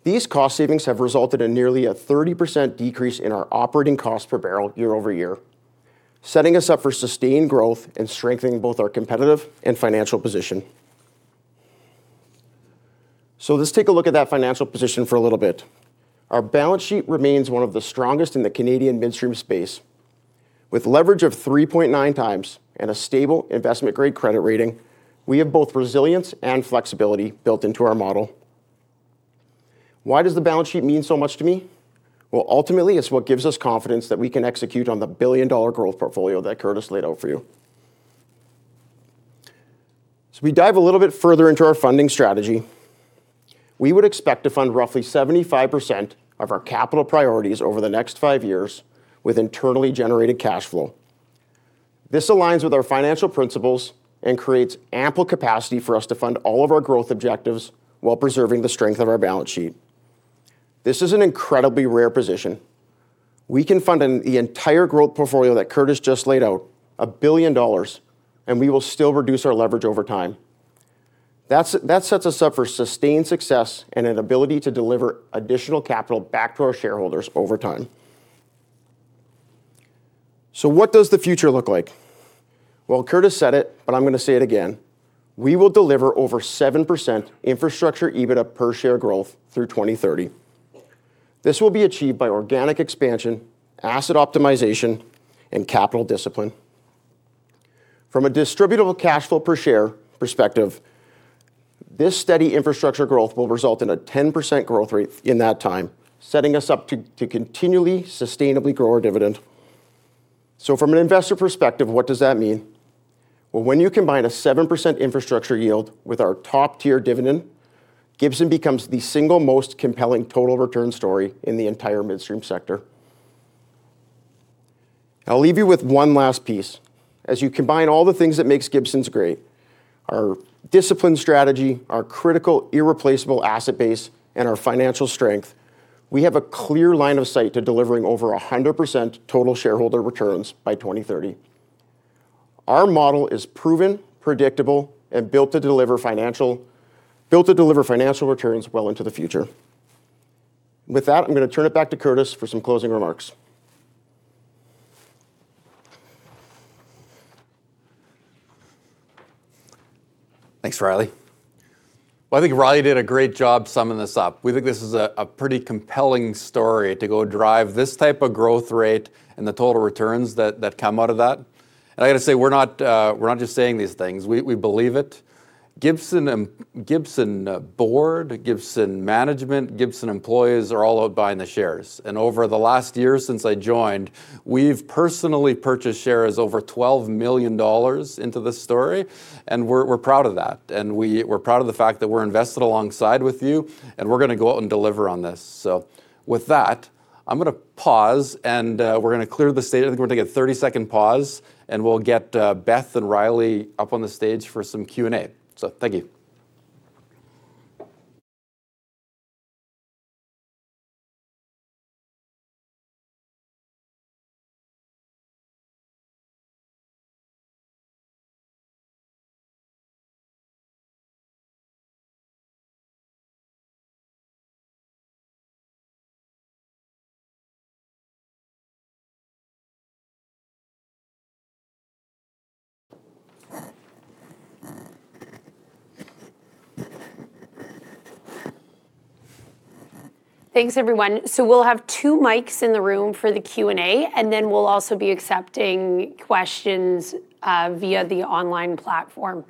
These cost savings have resulted in nearly a 30% decrease in our operating costs per barrel year over year, setting us up for sustained growth and strengthening both our competitive and financial position. Let's take a look at that financial position for a little bit. Our balance sheet remains one of the strongest in the Canadian midstream space. With leverage of 3.9 times and a stable investment-grade credit rating, we have both resilience and flexibility built into our model. Why does the balance sheet mean so much to me? Ultimately, it's what gives us confidence that we can execute on the billion-dollar growth portfolio that Curtis laid out for you. We dive a little bit further into our funding strategy. We would expect to fund roughly 75% of our capital priorities over the next five years with internally generated cash flow. This aligns with our financial principles and creates ample capacity for us to fund all of our growth objectives while preserving the strength of our balance sheet. This is an incredibly rare position. We can fund the entire growth portfolio that Curtis just laid out, $1 billion, and we will still reduce our leverage over time. That sets us up for sustained success and an ability to deliver additional capital back to our shareholders over time. What does the future look like? Curtis said it, but I am going to say it again. We will deliver over 7% infrastructure EBITDA per share growth through 2030. This will be achieved by organic expansion, asset optimization, and capital discipline. From a distributable cash flow per share perspective, this steady infrastructure growth will result in a 10% growth rate in that time, setting us up to continually sustainably grow our dividend. From an investor perspective, what does that mean? When you combine a 7% infrastructure yield with our top-tier dividend, Gibson becomes the single most compelling total return story in the entire midstream sector. I'll leave you with one last piece. As you combine all the things that make Gibson great, our disciplined strategy, our critical irreplaceable asset base, and our financial strength, we have a clear line of sight to delivering over 100% total shareholder returns by 2030. Our model is proven, predictable, and built to deliver financial returns well into the future. With that, I'm going to turn it back to Curtis for some closing remarks. Thanks, Riley. I think Riley did a great job summing this up. We think this is a pretty compelling story to go drive this type of growth rate and the total returns that come out of that. I got to say, we're not just saying these things. We believe it. Gibson board, Gibson management, Gibson employees are all out buying the shares. Over the last year since I joined, we've personally purchased shares over 12 million dollars into this story. We're proud of that. We're proud of the fact that we're invested alongside with you. We're going to go out and deliver on this. With that, I'm going to pause and we're going to clear the stage. I think we're going to take a 30-second pause and we'll get Beth and Riley up on the stage for some Q&A. Thank you. Thanks, everyone. We'll have two mics in the room for the Q&A, and we'll also be accepting questions via the online platform.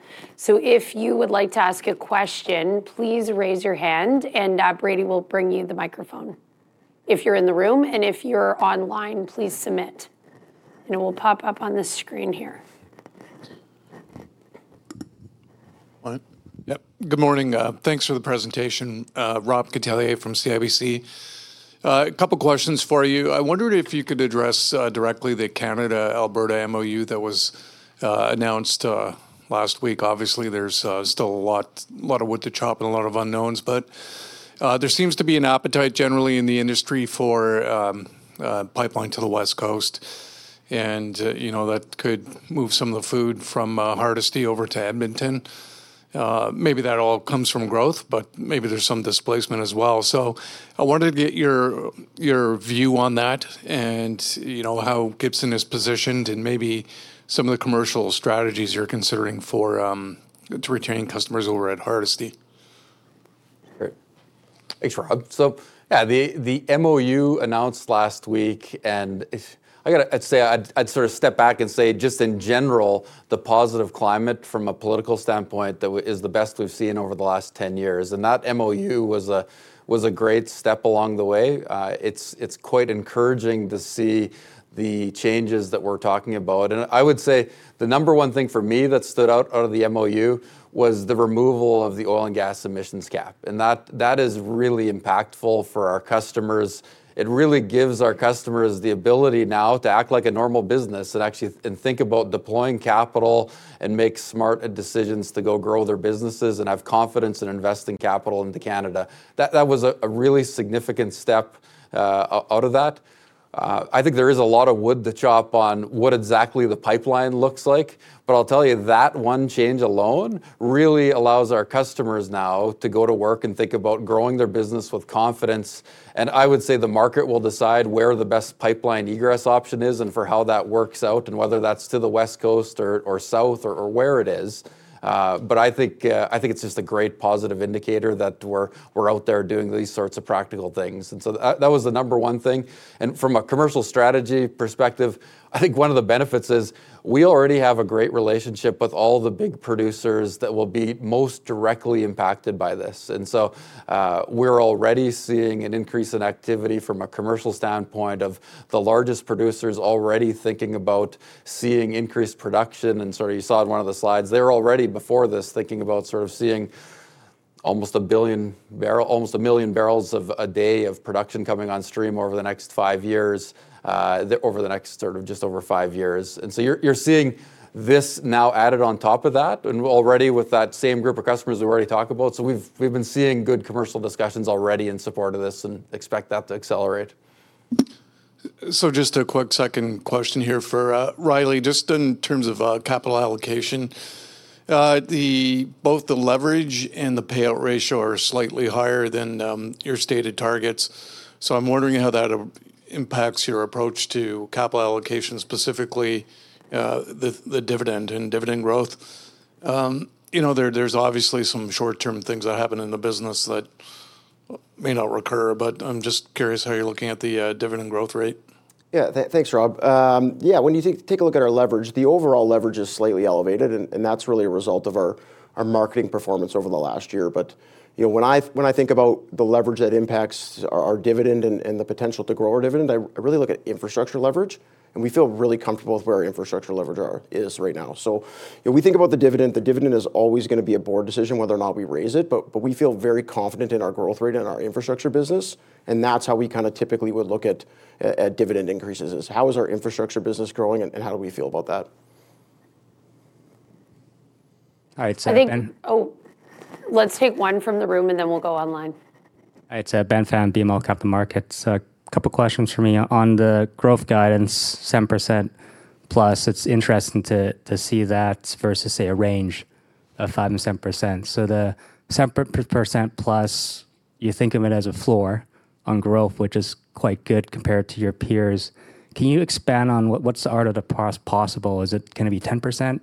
If you would like to ask a question, please raise your hand and Brady will bring you the microphone if you're in the room, and if you're online, please submit and it will pop up on the screen here. Yep. Good morning. Thanks for the presentation. Rob Catellier from CIBC. A couple of questions for you. I wondered if you could address directly the Canada-Alberta MoU that was announced last week. Obviously, there's still a lot of wood to chop and a lot of unknowns, but there seems to be an appetite generally in the industry for pipeline to the West Coast. You know that could move some of the crude from Hardisty over to Edmonton. Maybe that all comes from growth, but maybe there's some displacement as well. I wanted to get your view on that and you know how Gibson is positioned and maybe some of the commercial strategies you're considering for retaining customers over at Hardesty. Great. Thanks, Rob. Yeah, the MoU announced last week, and I got to say, I'd sort of step back and say, just in general, the positive climate from a political standpoint that is the best we've seen over the last 10 years. That MoU was a great step along the way. It's quite encouraging to see the changes that we're talking about. I would say the number one thing for me that stood out out of the MoU was the removal of the oil and gas emissions cap. That is really impactful for our customers. It really gives our customers the ability now to act like a normal business and actually think about deploying capital and make smart decisions to go grow their businesses and have confidence in investing capital into Canada. That was a really significant step out of that. I think there is a lot of wood to chop on what exactly the pipeline looks like. I'll tell you, that one change alone really allows our customers now to go to work and think about growing their business with confidence. I would say the market will decide where the best pipeline egress option is and for how that works out and whether that's to the West Coast or south or where it is. I think it's just a great positive indicator that we're out there doing these sorts of practical things. That was the number one thing. From a commercial strategy perspective, I think one of the benefits is we already have a great relationship with all the big producers that will be most directly impacted by this. We are already seeing an increase in activity from a commercial standpoint of the largest producers already thinking about seeing increased production. You saw in one of the slides, they were already before this thinking about seeing almost 1 million barrels a day of production coming on stream over the next five years, over the next just over five years. You are seeing this now added on top of that and already with that same group of customers we have already talked about. We have been seeing good commercial discussions already in support of this and expect that to accelerate. Just a quick second question here for Riley, just in terms of capital allocation. Both the leverage and the payout ratio are slightly higher than your stated targets. I'm wondering how that impacts your approach to capital allocation, specifically the dividend and dividend growth. You know, there's obviously some short-term things that happen in the business that may not recur, but I'm just curious how you're looking at the dividend growth rate. Yeah, thanks, Rob. Yeah, when you take a look at our leverage, the overall leverage is slightly elevated, and that's really a result of our marketing performance over the last year. You know, when I think about the leverage that impacts our dividend and the potential to grow our dividend, I really look at infrastructure leverage, and we feel really comfortable with where our infrastructure leverage is right now. We think about the dividend. The dividend is always going to be a board decision, whether or not we raise it, but we feel very confident in our growth rate and our infrastructure business. That is how we kind of typically would look at dividend increases, is how is our infrastructure business growing and how do we feel about that? All right, I think, oh, let's take one from the room and then we will go online. All right, Ben from BMO Capital Markets. A couple of questions for me on the growth guidance, 10% +. It is interesting to see that versus, say, a range of 5%-7%. The 10%+, you think of it as a floor on growth, which is quite good compared to your peers. Can you expand on what is the art of the possible? Is it going to be 10%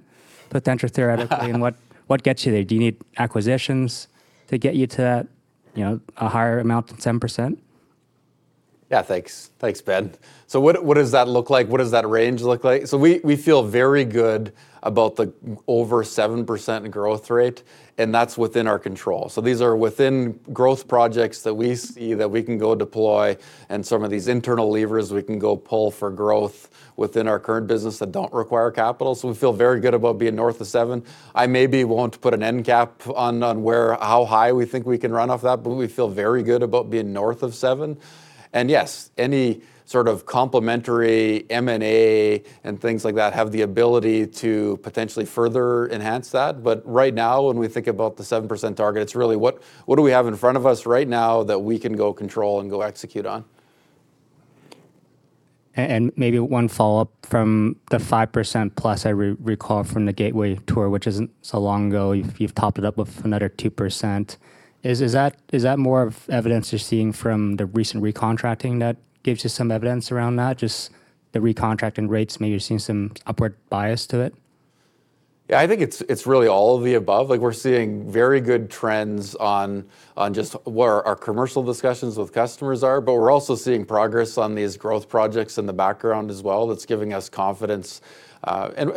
potential theoretically? And what gets you there? Do you need acquisitions to get you to a higher amount than 10%? Yeah, thanks. Thanks, Ben. What does that look like? What does that range look like? We feel very good about the over 7% growth rate, and that's within our control. These are within growth projects that we see that we can go deploy, and some of these internal levers we can go pull for growth within our current business that do not require capital. We feel very good about being north of seven. I maybe will not put an end cap on how high we think we can run off that, but we feel very good about being north of seven. Yes, any sort of complementary M&A and things like that have the ability to potentially further enhance that. Right now, when we think about the 7% target, it is really what do we have in front of us right now that we can go control and go execute on? Maybe one follow-up from the 5% +, I recall from the Gateway tour, which is not so long ago, you have topped it up with another 2%. Is that more evidence you are seeing from the recent recontracting that gives you some evidence around that? Just the recontracting rates, maybe you are seeing some upward bias to it? Yeah, I think it is really all of the above. Like, we are seeing very good trends on just what our commercial discussions with customers are, but we are also seeing progress on these growth projects in the background as well. That is giving us confidence.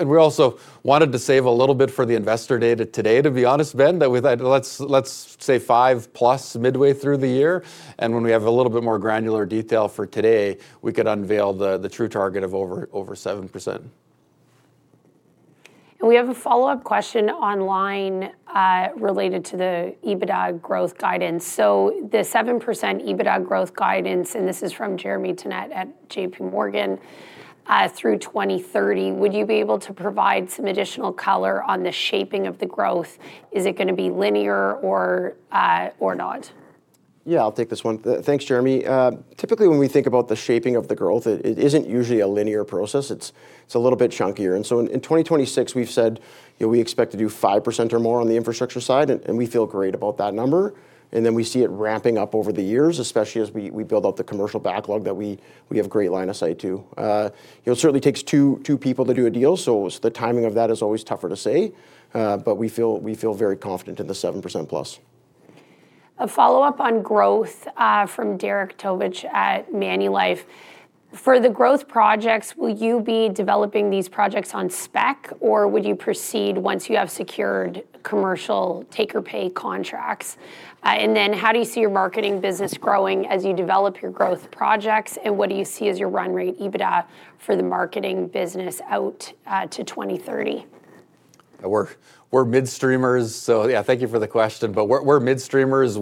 We also wanted to save a little bit for the investor data today, to be honest, Ben, that we thought let's say five + midway through the year. When we have a little bit more granular detail for today, we could unveil the true target of over 7%. We have a follow-up question online related to the EBITDA growth guidance. The 7% EBITDA growth guidance, and this is from Jeremy Tonet at J.P. Morgan, through 2030, would you be able to provide some additional color on the shaping of the growth? Is it going to be linear or not? Yeah, I'll take this one. Thanks, Jeremy. Typically, when we think about the shaping of the growth, it isn't usually a linear process. It's a little bit chunkier. In 2026, we've said we expect to do 5% or more on the infrastructure side, and we feel great about that number. We see it ramping up over the years, especially as we build up the commercial backlog that we have great line of sight to. It certainly takes two people to do a deal, so the timing of that is always tougher to say, but we feel very confident in the 7% +. A follow-up on growth from Derek Tobich at Manulife. For the growth projects, will you be developing these projects on spec, or would you proceed once you have secured commercial take-or-pay contracts? How do you see your marketing business growing as you develop your growth projects, and what do you see as your run rate EBITDA for the marketing business out to 2030? We're midstreamers, so yeah, thank you for the question, but we're midstreamers.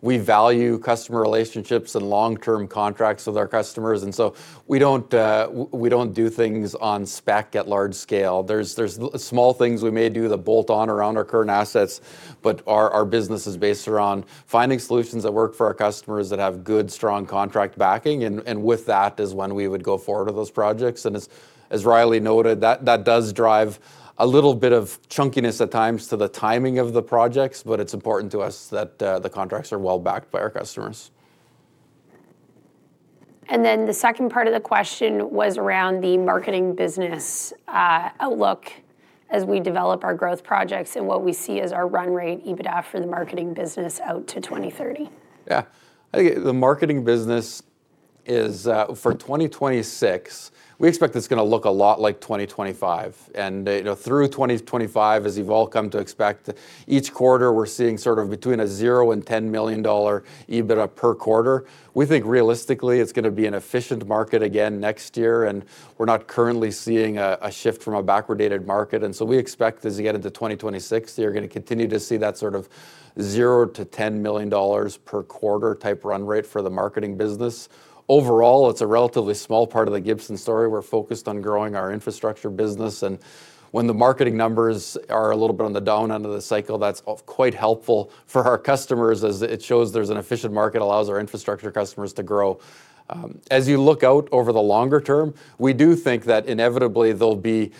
We value customer relationships and long-term contracts with our customers. We don't do things on spec at large scale. There are small things we may do that bolt on around our current assets, but our business is based around finding solutions that work for our customers that have good, strong contract backing. With that is when we would go forward with those projects. As Riley noted, that does drive a little bit of chunkiness at times to the timing of the projects, but it's important to us that the contracts are well backed by our customers. The second part of the question was around the marketing business outlook as we develop our growth projects and what we see as our run rate EBITDA for the marketing business out to 2030. Yeah, I think the marketing business is for 2026. We expect it's going to look a lot like 2025. Through 2025, as you've all come to expect, each quarter we're seeing sort of between a zero and $10 million EBITDA per quarter. We think realistically it's going to be an efficient market again next year, and we're not currently seeing a shift from a backward-dated market. We expect as you get into 2026, you're going to continue to see that sort of zero-$10 million per quarter type run rate for the marketing business. Overall, it's a relatively small part of the Gibson story. We're focused on growing our infrastructure business. When the marketing numbers are a little bit on the down end of the cycle, that's quite helpful for our customers as it shows there's an efficient market, allows our infrastructure customers to grow. As you look out over the longer term, we do think that inevitably there'll be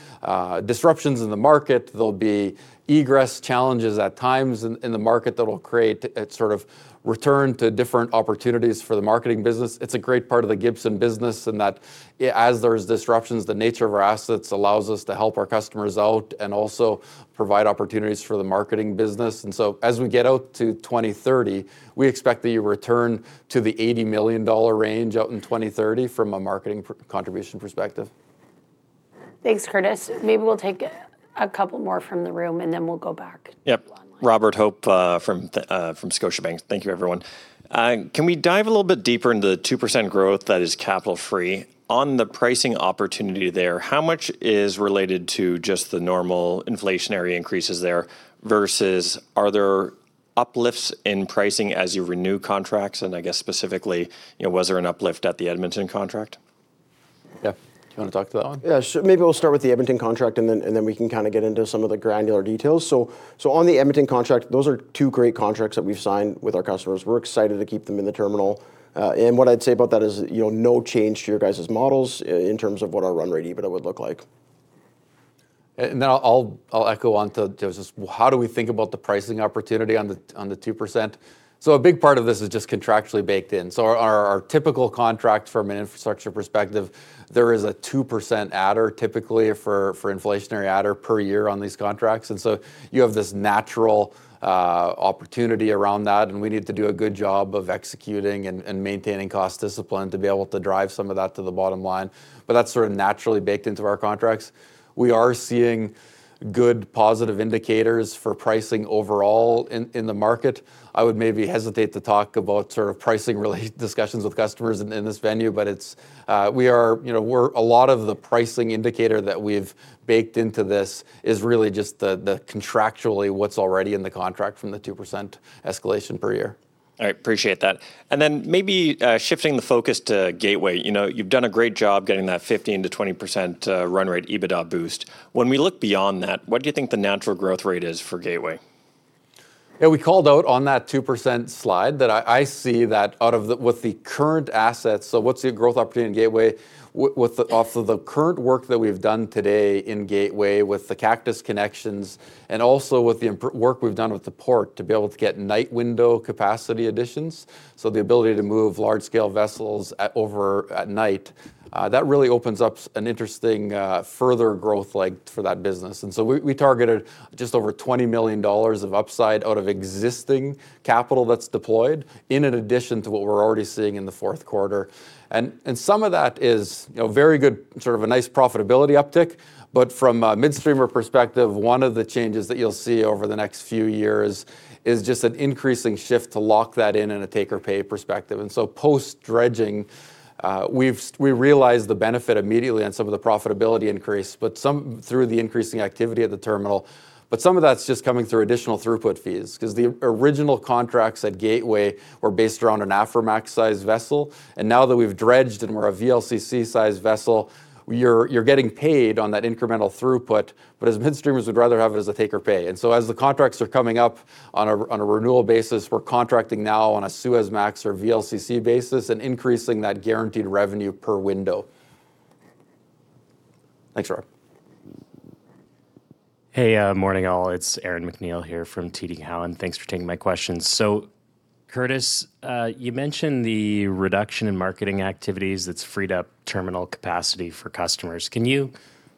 disruptions in the market. There'll be egress challenges at times in the market that will create a sort of return to different opportunities for the marketing business. It's a great part of the Gibson business in that as there's disruptions, the nature of our assets allows us to help our customers out and also provide opportunities for the marketing business. As we get out to 2030, we expect the return to the 80 million dollar range out in 2030 from a marketing contribution perspective. Thanks, Curtis. Maybe we'll take a couple more from the room and then we'll go back. Yes. Robert Hope from Scotiabank. Thank you, everyone. Can we dive a little bit deeper into the 2% growth that is capital-free? On the pricing opportunity there, how much is related to just the normal inflationary increases there versus are there uplifts in pricing as you renew contracts? I guess specifically, was there an uplift at the Edmonton contract? Yeah, do you want to talk to that one? Yeah, sure. Maybe we'll start with the Edmonton contract and then we can kind of get into some of the granular details. On the Edmonton contract, those are two great contracts that we've signed with our customers. We're excited to keep them in the terminal. What I'd say about that is no change to your guys' models in terms of what our run rate EBITDA would look like. I'll echo on to just how do we think about the pricing opportunity on the 2%. A big part of this is just contractually baked in. Our typical contract from an infrastructure perspective, there is a 2% adder typically for inflationary adder per year on these contracts. You have this natural opportunity around that, and we need to do a good job of executing and maintaining cost discipline to be able to drive some of that to the bottom line. That is sort of naturally baked into our contracts. We are seeing good positive indicators for pricing overall in the market. I would maybe hesitate to talk about sort of pricing-related discussions with customers in this venue, but we are, a lot of the pricing indicator that we've baked into this is really just the contractually what's already in the contract from the 2% escalation per year. All right, appreciate that. Maybe shifting the focus to Gateway, you've done a great job getting that 15%-20% run rate EBITDA boost. When we look beyond that, what do you think the natural growth rate is for Gateway? Yeah, we called out on that 2% slide that I see that out of the with the current assets. What's the growth opportunity in Gateway with the current work that we've done today in Gateway with the Cactus Connections and also with the work we've done with the port to be able to get night window capacity additions. The ability to move large-scale vessels over at night, that really opens up an interesting further growth leg for that business. We targeted just over $20 million of upside out of existing capital that's deployed in addition to what we're already seeing in the fourth quarter. Some of that is very good, sort of a nice profitability uptick. From a midstreamer perspective, one of the changes that you'll see over the next few years is just an increasing shift to lock that in in a take-or-pay perspective. Post-dredging, we realized the benefit immediately on some of the profitability increase, but some through the increasing activity at the terminal. Some of that's just coming through additional throughput fees because the original contracts at Gateway were based around an Aframax-sized vessel. Now that we've dredged and we're a VLCC-sized vessel, you're getting paid on that incremental throughput, but as midstreamers would rather have it as a take-or-pay. As the contracts are coming up on a renewal basis, we're contracting now on a Suezmax or VLCC basis and increasing that guaranteed revenue per window. Thanks, Rob. Hey, morning all. It's Aaron MacNeil here from TD Cowen. Thanks for taking my questions. Curtis, you mentioned the reduction in marketing activities that's freed up terminal capacity for customers. Can you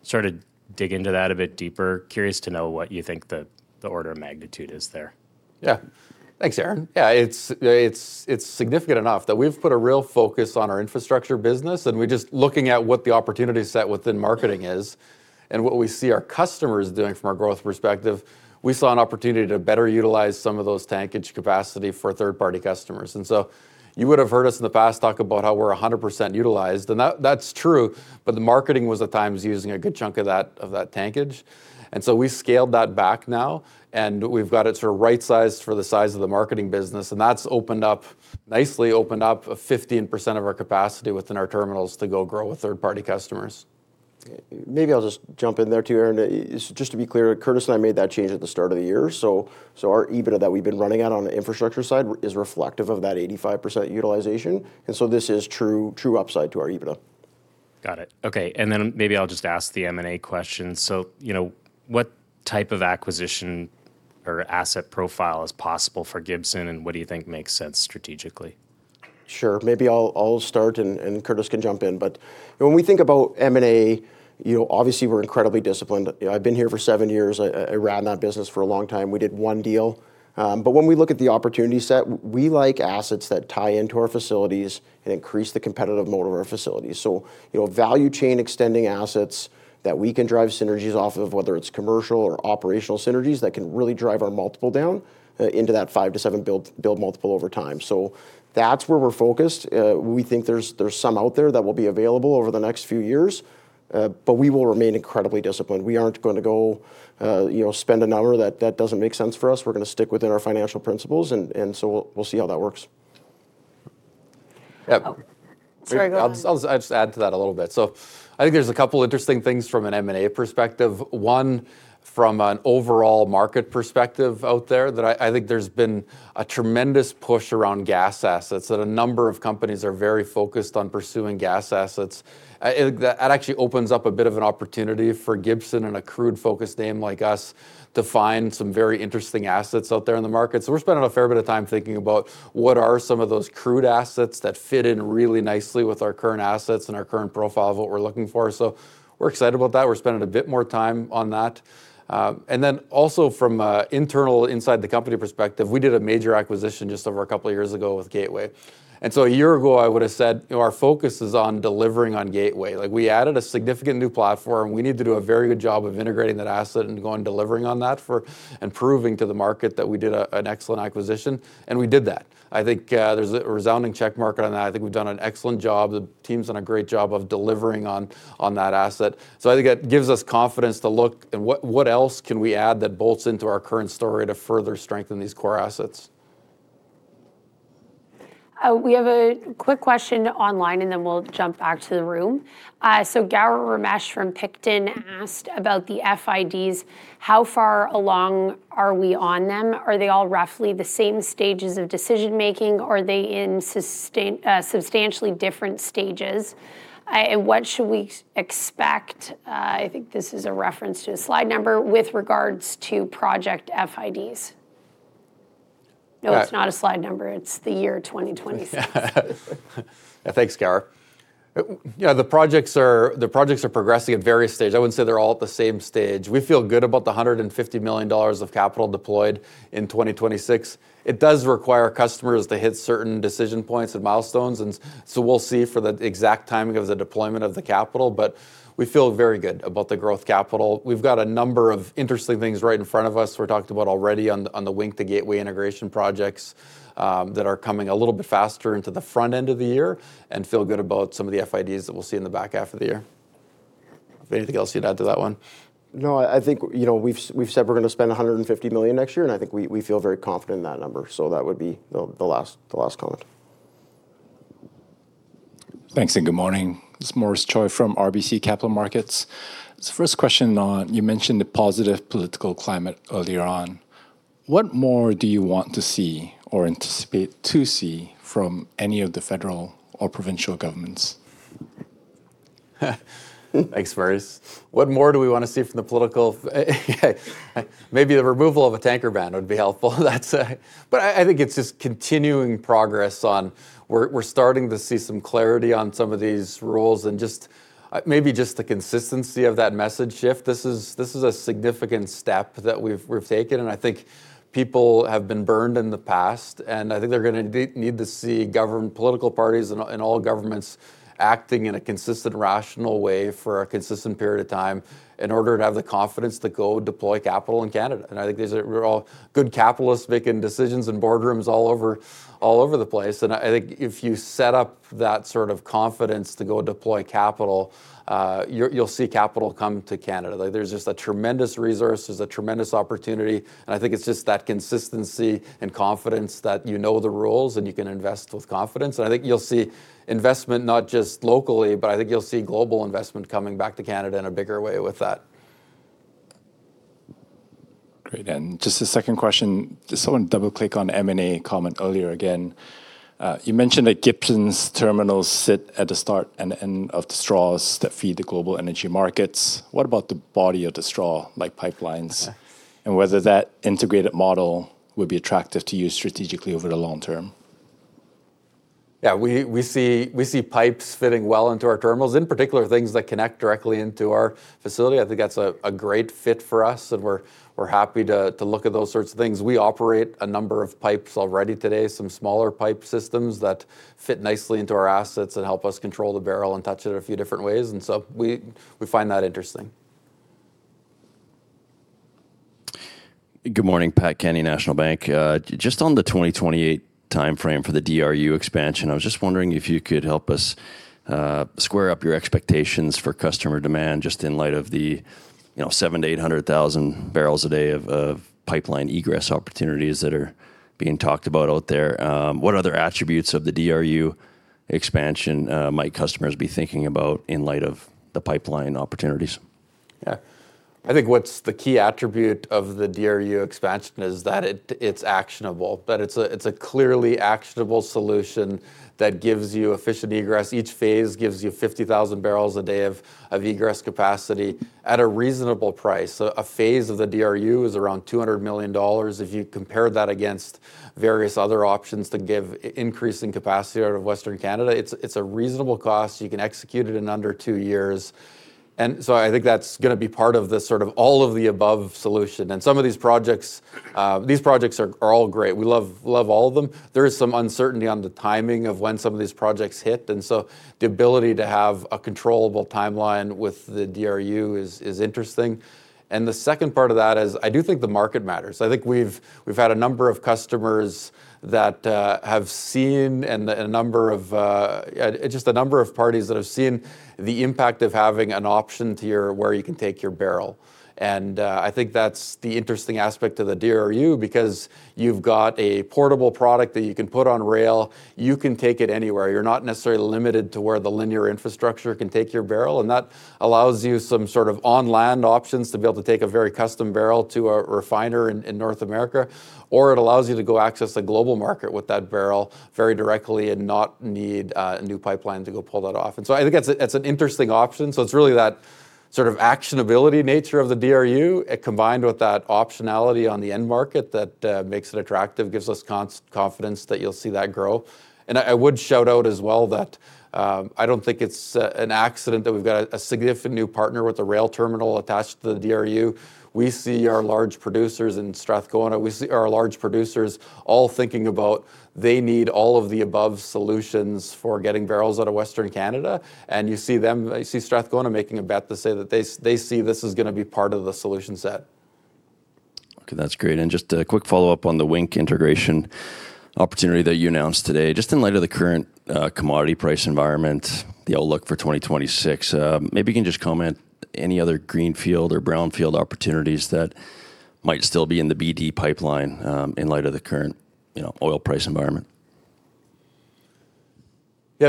sort of dig into that a bit deeper? Curious to know what you think the order of magnitude is there. Yeah, thanks, Aaron. Yeah, it's significant enough that we've put a real focus on our infrastructure business, and we're just looking at what the opportunity set within marketing is and what we see our customers doing from a growth perspective. We saw an opportunity to better utilize some of those tankage capacity for third-party customers. You would have heard us in the past talk about how we're 100% utilized, and that's true, but the marketing was at times using a good chunk of that tankage. We scaled that back now, and we have got it sort of right-sized for the size of the marketing business, and that has opened up nicely, opened up 15% of our capacity within our terminals to go grow with third-party customers. Maybe I will just jump in there too, Aaron. Just to be clear, Curtis and I made that change at the start of the year. Our EBITDA that we have been running out on the infrastructure side is reflective of that 85% utilization. This is true upside to our EBITDA. Got it. Okay. Maybe I will just ask the M&A question. What type of acquisition or asset profile is possible for Gibson, and what do you think makes sense strategically? Sure. Maybe I will start, and Curtis can jump in. When we think about M&A, obviously we are incredibly disciplined. I have been here for seven years. I ran that business for a long time. We did one deal. When we look at the opportunity set, we like assets that tie into our facilities and increase the competitive motivation of our facilities. Value chain extending assets that we can drive synergies off of, whether it's commercial or operational synergies that can really drive our multiple down into that five- to seven-build multiple over time. That is where we're focused. We think there's some out there that will be available over the next few years, but we will remain incredibly disciplined. We aren't going to go spend a number that doesn't make sense for us. We're going to stick within our financial principles, and we'll see how that works. Yeah. Sorry, go ahead. I'll just add to that a little bit. I think there's a couple of interesting things from an M&A perspective. One, from an overall market perspective out there, that I think there's been a tremendous push around gas assets, that a number of companies are very focused on pursuing gas assets. That actually opens up a bit of an opportunity for Gibson and a crude-focused name like us to find some very interesting assets out there in the market. We are spending a fair bit of time thinking about what are some of those crude assets that fit in really nicely with our current assets and our current profile of what we're looking for. We are excited about that. We are spending a bit more time on that. Also from an internal inside the company perspective, we did a major acquisition just over a couple of years ago with Gateway. A year ago, I would have said our focus is on delivering on Gateway. We added a significant new platform. We need to do a very good job of integrating that asset and delivering on that for and proving to the market that we did an excellent acquisition. We did that. I think there is a resounding check marker on that. I think we have done an excellent job. The team's done a great job of delivering on that asset. I think that gives us confidence to look at what else can we add that bolts into our current story to further strengthen these core assets. We have a quick question online, and then we will jump back to the room. Gaurav Ramesh from Picton Mahoney Asset Management asked about the FIDs. How far along are we on them? Are they all roughly the same stages of decision-making, or are they in substantially different stages? What should we expect? I think this is a reference to a slide number with regards to project FIDs. No, it's not a slide number. It's the year 2026. Thanks, Garr. The projects are progressing at various stages. I wouldn't say they're all at the same stage. We feel good about the 150 million dollars of capital deployed in 2026. It does require customers to hit certain decision points and milestones. We will see for the exact timing of the deployment of the capital, but we feel very good about the growth capital. We've got a number of interesting things right in front of us. We're talking about already on the Wink to Gateway integration projects that are coming a little bit faster into the front end of the year and feel good about some of the FIDs that we'll see in the back half of the year. Anything else you'd add to that one? No, I think we've said we're going to spend 150 million next year, and I think we feel very confident in that number. That would be the last column. Thanks and good morning. This is Maurice Choy from RBC Capital Markets. It's the first question on, you mentioned the positive political climate earlier on. What more do you want to see or anticipate to see from any of the federal or provincial governments? Thanks, Maurice. What more do we want to see from the political? Maybe the removal of a tanker ban would be helpful. I think it's just continuing progress on, we're starting to see some clarity on some of these rules and just maybe just the consistency of that message shift. This is a significant step that we've taken, and I think people have been burned in the past, and I think they're going to need to see government, political parties, and all governments acting in a consistent, rational way for a consistent period of time in order to have the confidence to go deploy capital in Canada. I think these are all good capitalists making decisions in boardrooms all over the place. I think if you set up that sort of confidence to go deploy capital, you'll see capital come to Canada. There's just a tremendous resource. There's a tremendous opportunity. I think it's just that consistency and confidence that you know the rules and you can invest with confidence. I think you'll see investment not just locally, but I think you'll see global investment coming back to Canada in a bigger way with that. Great. Just a second question. Someone double-clicked on M&A comment earlier again. You mentioned that Gibson's terminals sit at the start and end of the straws that feed the global energy markets. What about the body of the straw, like pipelines, and whether that integrated model would be attractive to you strategically over the long term? Yeah, we see pipes fitting well into our terminals, in particular things that connect directly into our facility. I think that's a great fit for us, and we're happy to look at those sorts of things. We operate a number of pipes already today, some smaller pipe systems that fit nicely into our assets and help us control the barrel and touch it a few different ways. We find that interesting. Good morning, Patrick Kenny, National Bank Financial. Just on the 2028 timeframe for the DRU expansion, I was just wondering if you could help us square up your expectations for customer demand just in light of the 700,000-800,000 barrels a day of pipeline egress opportunities that are being talked about out there. What other attributes of the DRU expansion might customers be thinking about in light of the pipeline opportunities? Yeah, I think what's the key attribute of the DRU expansion is that it's actionable, that it's a clearly actionable solution that gives you efficient egress. Each phase gives you 50,000 barrels a day of egress capacity at a reasonable price. A phase of the DRU is around 200 million dollars. If you compare that against various other options to give increasing capacity out of Western Canada, it's a reasonable cost. You can execute it in under two years. I think that's going to be part of the sort of all of the above solution. Some of these projects, these projects are all great. We love all of them. There is some uncertainty on the timing of when some of these projects hit. The ability to have a controllable timeline with the DRU is interesting. The second part of that is I do think the market matters. I think we've had a number of customers that have seen and a number of, just a number of parties that have seen the impact of having an option to your where you can take your barrel. I think that's the interesting aspect of the DRU because you've got a portable product that you can put on rail. You can take it anywhere. You're not necessarily limited to where the linear infrastructure can take your barrel. That allows you some sort of on-land options to be able to take a very custom barrel to a refiner in North America, or it allows you to go access a global market with that barrel very directly and not need a new pipeline to go pull that off. I think it's an interesting option. It's really that sort of actionability nature of the DRU combined with that optionality on the end market that makes it attractive, gives us confidence that you'll see that grow. I would shout out as well that I don't think it's an accident that we've got a significant new partner with a rail terminal attached to the DRU. We see our large producers in Strathcona, we see our large producers all thinking about they need all of the above solutions for getting barrels out of Western Canada. You see them, you see Strathcona making a bet to say that they see this is going to be part of the solution set. Okay, that's great. Just a quick follow-up on the Wink integration opportunity that you announced today. Just in light of the current commodity price environment, the outlook for 2026, maybe you can just comment any other greenfield or brownfield opportunities that might still be in the BD pipeline in light of the current oil price environment. Yeah,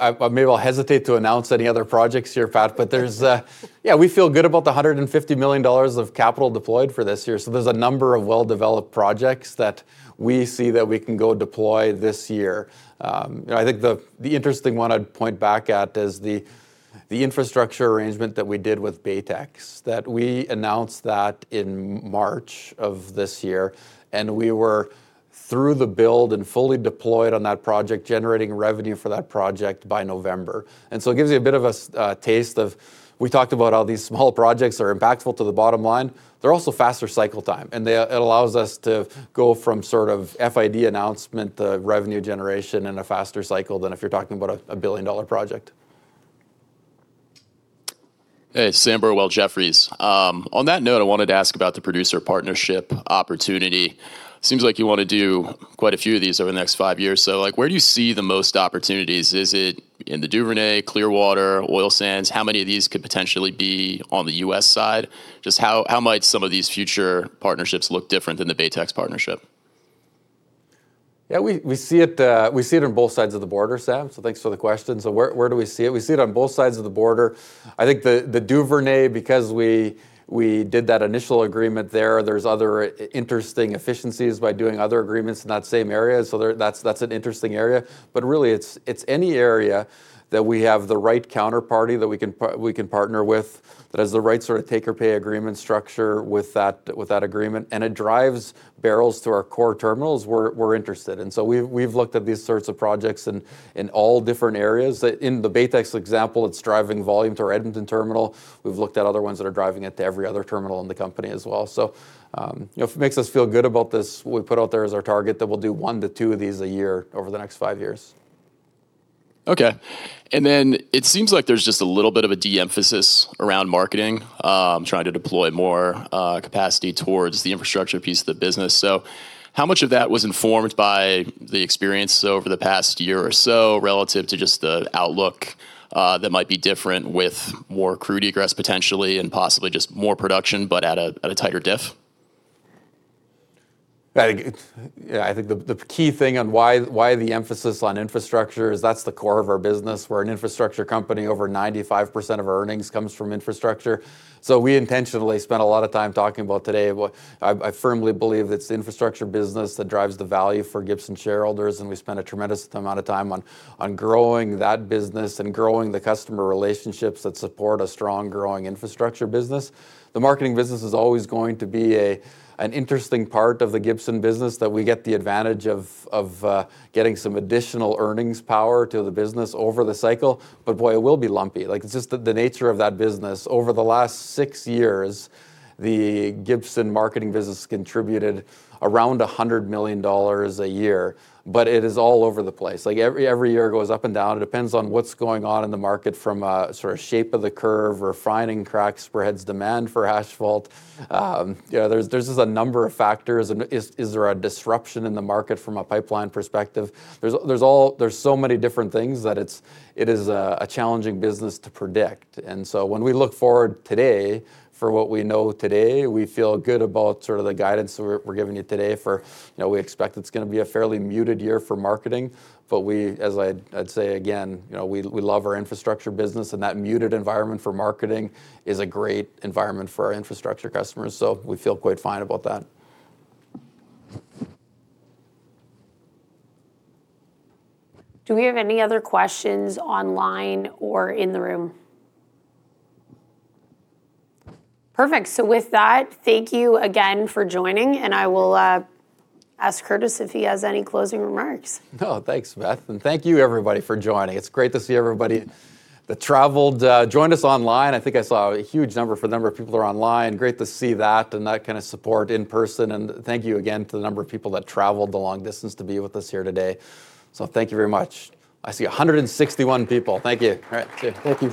I maybe I'll hesitate to announce any other projects here, Pat, but we feel good about the 150 million dollars of capital deployed for this year. There is a number of well-developed projects that we see that we can go deploy this year. I think the interesting one I would point back at is the infrastructure arrangement that we did with Baytex, that we announced that in March of this year, and we were through the build and fully deployed on that project, generating revenue for that project by November. It gives you a bit of a taste of, we talked about how these small projects are impactful to the bottom line. They are also faster cycle time, and it allows us to go from sort of FID announcement to revenue generation in a faster cycle than if you are talking about a billion-dollar project. Hey, Sam Burwell Jefferies. On that note, I wanted to ask about the producer partnership opportunity. Seems like you want to do quite a few of these over the next five years. Where do you see the most opportunities? Is it in the Duvernay, Clearwater, Oil Sands? How many of these could potentially be on the U.S. side? Just how might some of these future partnerships look different than the Baytex partnership? Yeah, we see it on both sides of the border, Sam. Thanks for the question. Where do we see it? We see it on both sides of the border. I think the Duvernay, because we did that initial agreement there, there are other interesting efficiencies by doing other agreements in that same area. That is an interesting area. Really, it is any area that we have the right counterparty that we can partner with, that has the right sort of take-or-pay agreement structure with that agreement. It drives barrels to our core terminals we are interested in. We've looked at these sorts of projects in all different areas. In the Baytex example, it's driving volume to our Edmonton terminal. We've looked at other ones that are driving it to every other terminal in the company as well. If it makes us feel good about this, what we put out there is our target that we'll do one to two of these a year over the next five years. Okay. It seems like there's just a little bit of a de-emphasis around Marketing, trying to deploy more capacity towards the infrastructure piece of the business. How much of that was informed by the experience over the past year or so relative to just the outlook that might be different with more crude egress potentially and possibly just more production, but at a tighter diff? Yeah, I think the key thing on why the emphasis on infrastructure is that's the core of our business. We're an infrastructure company. Over 95% of our earnings comes from infrastructure. We intentionally spent a lot of time talking about it today. I firmly believe it's the infrastructure business that drives the value for Gibson shareholders. We spent a tremendous amount of time on growing that business and growing the customer relationships that support a strong growing infrastructure business. The marketing business is always going to be an interesting part of the Gibson business that we get the advantage of getting some additional earnings power to the business over the cycle. Boy, it will be lumpy. It's just the nature of that business. Over the last six years, the Gibson marketing business contributed around $100 million a year, but it is all over the place. Every year goes up and down. It depends on what's going on in the market from a sort of shape of the curve, refining cracks, spreads, demand for asphalt. There's just a number of factors. Is there a disruption in the market from a pipeline perspective? There are so many different things that it is a challenging business to predict. When we look forward today for what we know today, we feel good about sort of the guidance we're giving you today for, we expect it's going to be a fairly muted year for marketing. As I'd say again, we love our infrastructure business, and that muted environment for marketing is a great environment for our infrastructure customers. We feel quite fine about that. Do we have any other questions online or in the room? Perfect. With that, thank you again for joining, and I will ask Curtis if he has any closing remarks. No, thanks, Beth. And thank you, everybody, for joining. It's great to see everybody that traveled, joined us online. I think I saw a huge number for the number of people that are online. Great to see that and that kind of support in person. Thank you again to the number of people that traveled the long distance to be with us here today. Thank you very much. I see 161 people. Thank you. All right. Thank you.